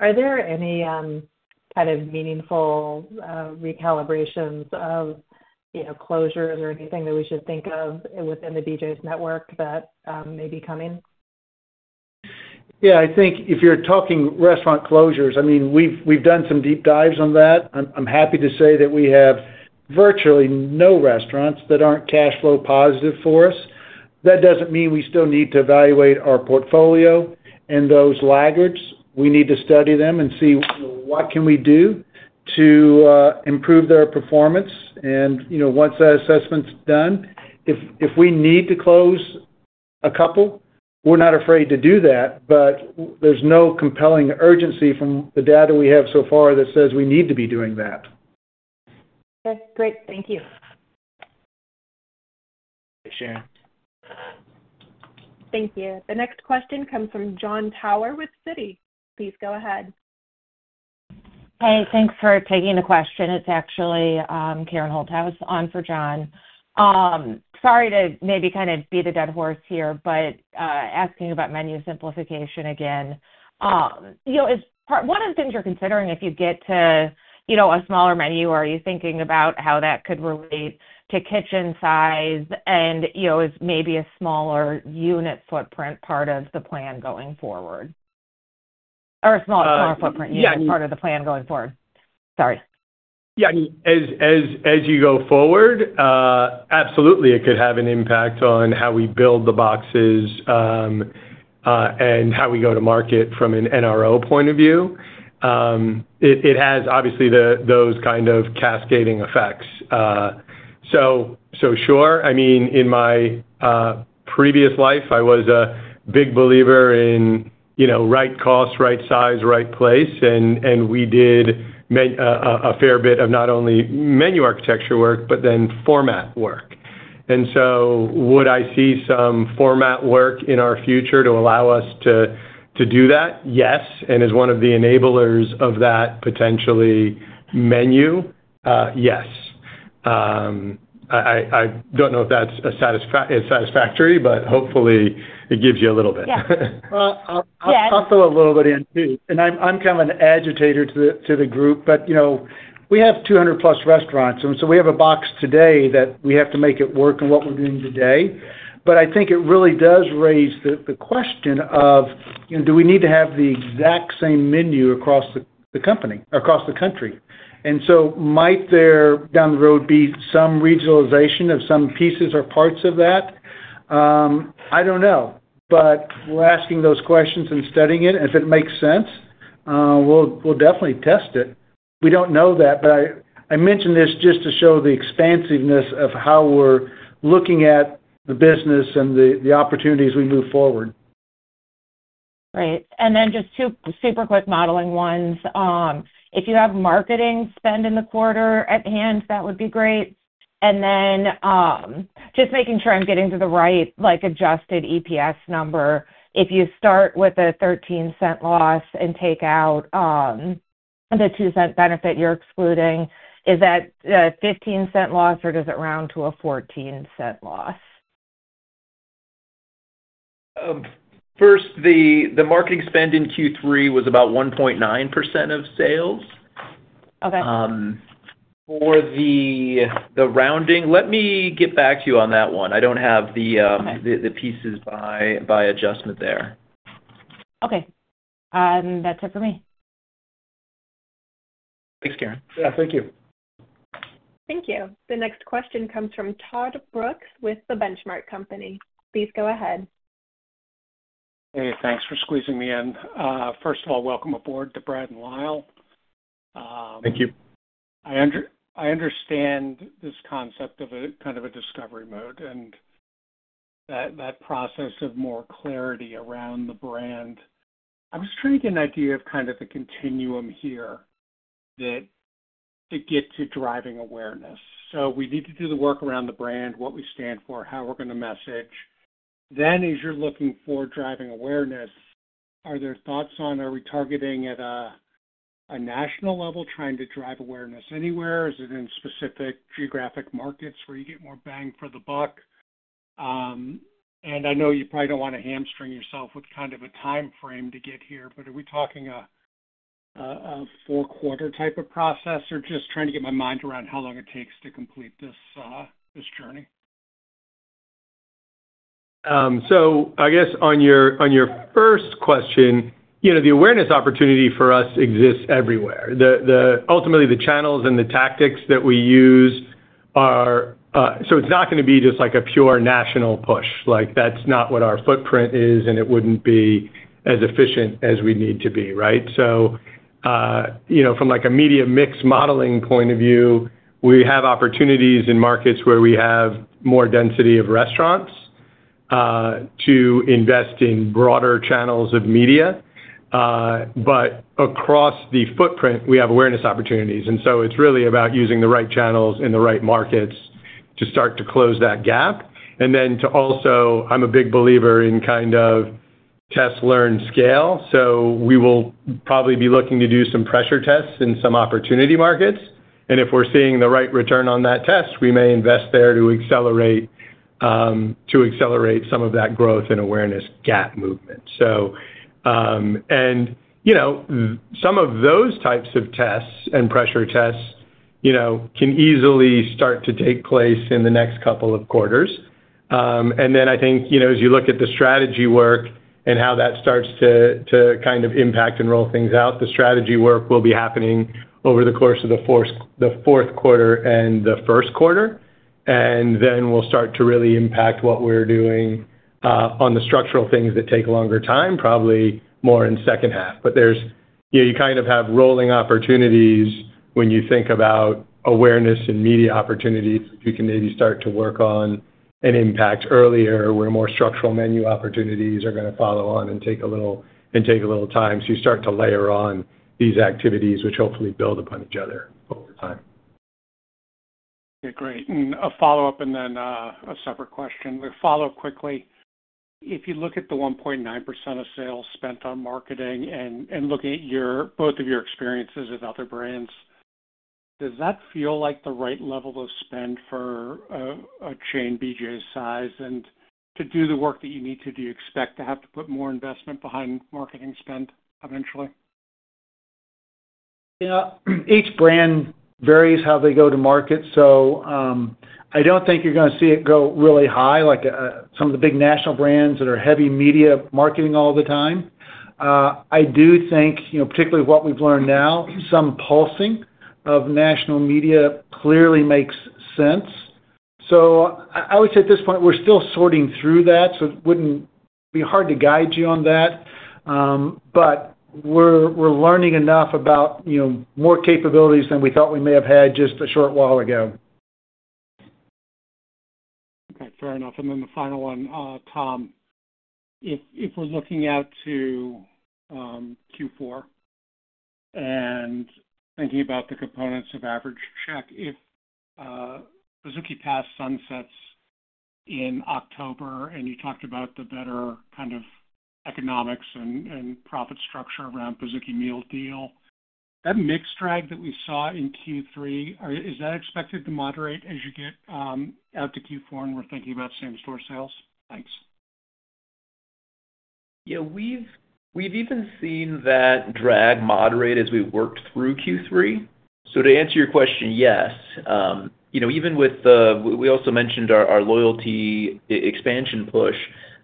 Are there any kind of meaningful recalibrations of closures or anything that we should think of within the BJ's network that may be coming? Yeah. I think if you're talking restaurant closures, I mean, we've done some deep dives on that. I'm happy to say that we have virtually no restaurants that aren't cash flow positive for us. That doesn't mean we still need to evaluate our portfolio and those laggards. We need to study them and see what can we do to improve their performance, and once that assessment's done, if we need to close a couple, we're not afraid to do that, but there's no compelling urgency from the data we have so far that says we need to be doing that. Okay. Great. Thank you. Thanks, Sharon. Thank you. The next question comes from Jon Tower with Citi. Please go ahead. Hey, thanks for taking the question. It's actually Karen Holthouse on for Jon. Sorry to maybe kind of beat a dead horse here, but asking about menu simplification again. One of the things you're considering if you get to a smaller menu, are you thinking about how that could relate to kitchen size and maybe a smaller unit footprint part of the plan going forward? Or a smaller footprint unit part of the plan going forward? Sorry. Yeah. I mean, as you go forward, absolutely, it could have an impact on how we build the boxes and how we go to market from an NRO point of view. It has obviously those kind of cascading effects. So sure. I mean, in my previous life, I was a big believer in right cost, right size, right place, and we did a fair bit of not only menu architecture work, but then format work. And so would I see some format work in our future to allow us to do that? Yes. And as one of the enablers of that potentially menu? Yes. I don't know if that's satisfactory, but hopefully, it gives you a little bit. Yeah. Well, I'll fill a little bit in too, and I'm kind of an agitator to the group, but we have 200-plus restaurants, and so we have a box today that we have to make it work in what we're doing today, but I think it really does raise the question of, do we need to have the exact same menu across the company or across the country? And so might there down the road be some regionalization of some pieces or parts of that? I don't know, but we're asking those questions and studying it. If it makes sense, we'll definitely test it. We don't know that, but I mentioned this just to show the expansiveness of how we're looking at the business and the opportunities we move forward. Right. And then just two super quick modeling ones. If you have marketing spend in the quarter at hand, that would be great. And then just making sure I'm getting to the right adjusted EPS number. If you start with a $0.13 loss and take out the $0.02 benefit you're excluding, is that a $0.15 loss or does it round to a $0.14 loss? First, the marketing spend in Q3 was about 1.9% of sales. For the rounding, let me get back to you on that one. I don't have the pieces by adjustment there. Okay. That's it for me. Thanks, Karen. Yeah. Thank you. Thank you. The next question comes from Todd Brooks with The Benchmark Company. Please go ahead. Hey. Thanks for squeezing me in. First of all, welcome aboard to Brad and Lyle. Thank you. I understand this concept of kind of a discovery mode and that process of more clarity around the brand. I'm just trying to get an idea of kind of the continuum here that gets you driving awareness. So we need to do the work around the brand, what we stand for, how we're going to message. Then as you're looking for driving awareness, are there thoughts on are we targeting at a national level trying to drive awareness anywhere? Is it in specific geographic markets where you get more bang for the buck? And I know you probably don't want to hamstring yourself with kind of a time frame to get here, but are we talking a four-quarter type of process or just trying to get my mind around how long it takes to complete this journey? So I guess on your first question, the awareness opportunity for us exists everywhere. Ultimately, the channels and the tactics that we use are, so it's not going to be just a pure national push. That's not what our footprint is, and it wouldn't be as efficient as we need to be, right? So from a media mix modeling point of view, we have opportunities in markets where we have more density of restaurants to invest in broader channels of media. But across the footprint, we have awareness opportunities. And so it's really about using the right channels in the right markets to start to close that gap. And then to also, I'm a big believer in kind of test-learn scale. So we will probably be looking to do some pressure tests in some opportunity markets. And if we're seeing the right return on that test, we may invest there to accelerate some of that growth and awareness gap movement. And some of those types of tests and pressure tests can easily start to take place in the next couple of quarters. And then I think as you look at the strategy work and how that starts to kind of impact and roll things out, the strategy work will be happening over the course of the fourth quarter and the first quarter. And then we'll start to really impact what we're doing on the structural things that take longer time, probably more in the second half. But you kind of have rolling opportunities when you think about awareness and media opportunities that you can maybe start to work on and impact earlier where more structural menu opportunities are going to follow on and take a little time. So you start to layer on these activities, which hopefully build upon each other over time. Okay. Great. And a follow-up and then a separate question. Follow-up quickly. If you look at the 1.9% of sales spent on marketing and looking at both of your experiences with other brands, does that feel like the right level of spend for a chain BJ's size? And to do the work that you need to, do you expect to have to put more investment behind marketing spend eventually? Yeah. Each brand varies how they go to market. So I don't think you're going to see it go really high like some of the big national brands that are heavy media marketing all the time. I do think, particularly what we've learned now, some pulsing of national media clearly makes sense. So I would say at this point, we're still sorting through that. So it wouldn't be hard to guide you on that. But we're learning enough about more capabilities than we thought we may have had just a short while ago. Okay. Fair enough. And then the final one, Tom. If we're looking out to Q4 and thinking about the components of average check, if Pizookie Pass sunsets in October and you talked about the better kind of economics and profit structure around Pizookie Meal Deal, that mix drag that we saw in Q3, is that expected to moderate as you get out to Q4 and we're thinking about same-store sales? Thanks. Yeah. We've even seen that drag moderate as we worked through Q3. So to answer your question, yes. Even with the we also mentioned our loyalty expansion push.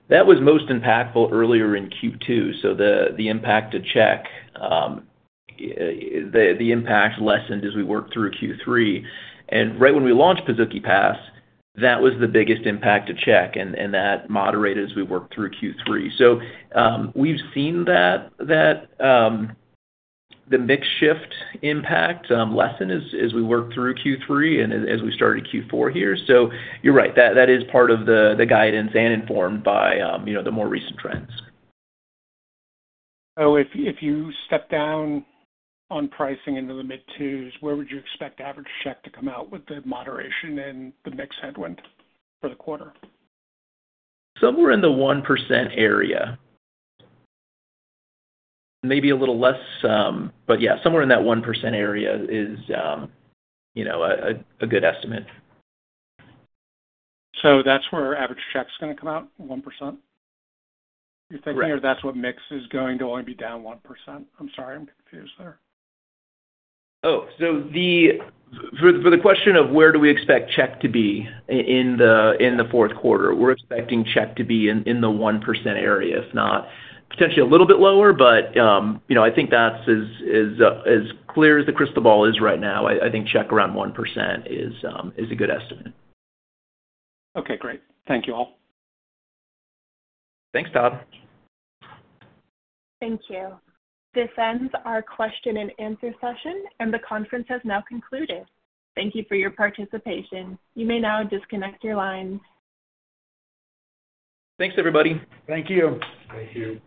That was most impactful earlier in Q2. So the impact to check, the impact lessened as we worked through Q3. And right when we launched Pizookie Pass, that was the biggest impact to check, and that moderated as we worked through Q3. So we've seen the mix shift impact lessen as we worked through Q3 and as we started Q4 here. So you're right. That is part of the guidance and informed by the more recent trends. So if you step down on pricing into the mid-2s, where would you expect average check to come out with the moderation and the mix headwind for the quarter? Somewhere in the 1% area. Maybe a little less, but yeah, somewhere in that 1% area is a good estimate. So that's where average check's going to come out, 1%? You're thinking or that's what mix is going to only be down 1%? I'm sorry. I'm confused there. Oh, so for the question of where do we expect check to be in the fourth quarter, we're expecting check to be in the 1% area, if not potentially a little bit lower, but I think that's as clear as the crystal ball is right now. I think check around 1% is a good estimate. Okay. Great. Thank you all. Thanks, Todd. Thank you. This ends our question and answer session, and the conference has now concluded. Thank you for your participation. You may now disconnect your lines. Thanks, everybody. Thank you. Thank you.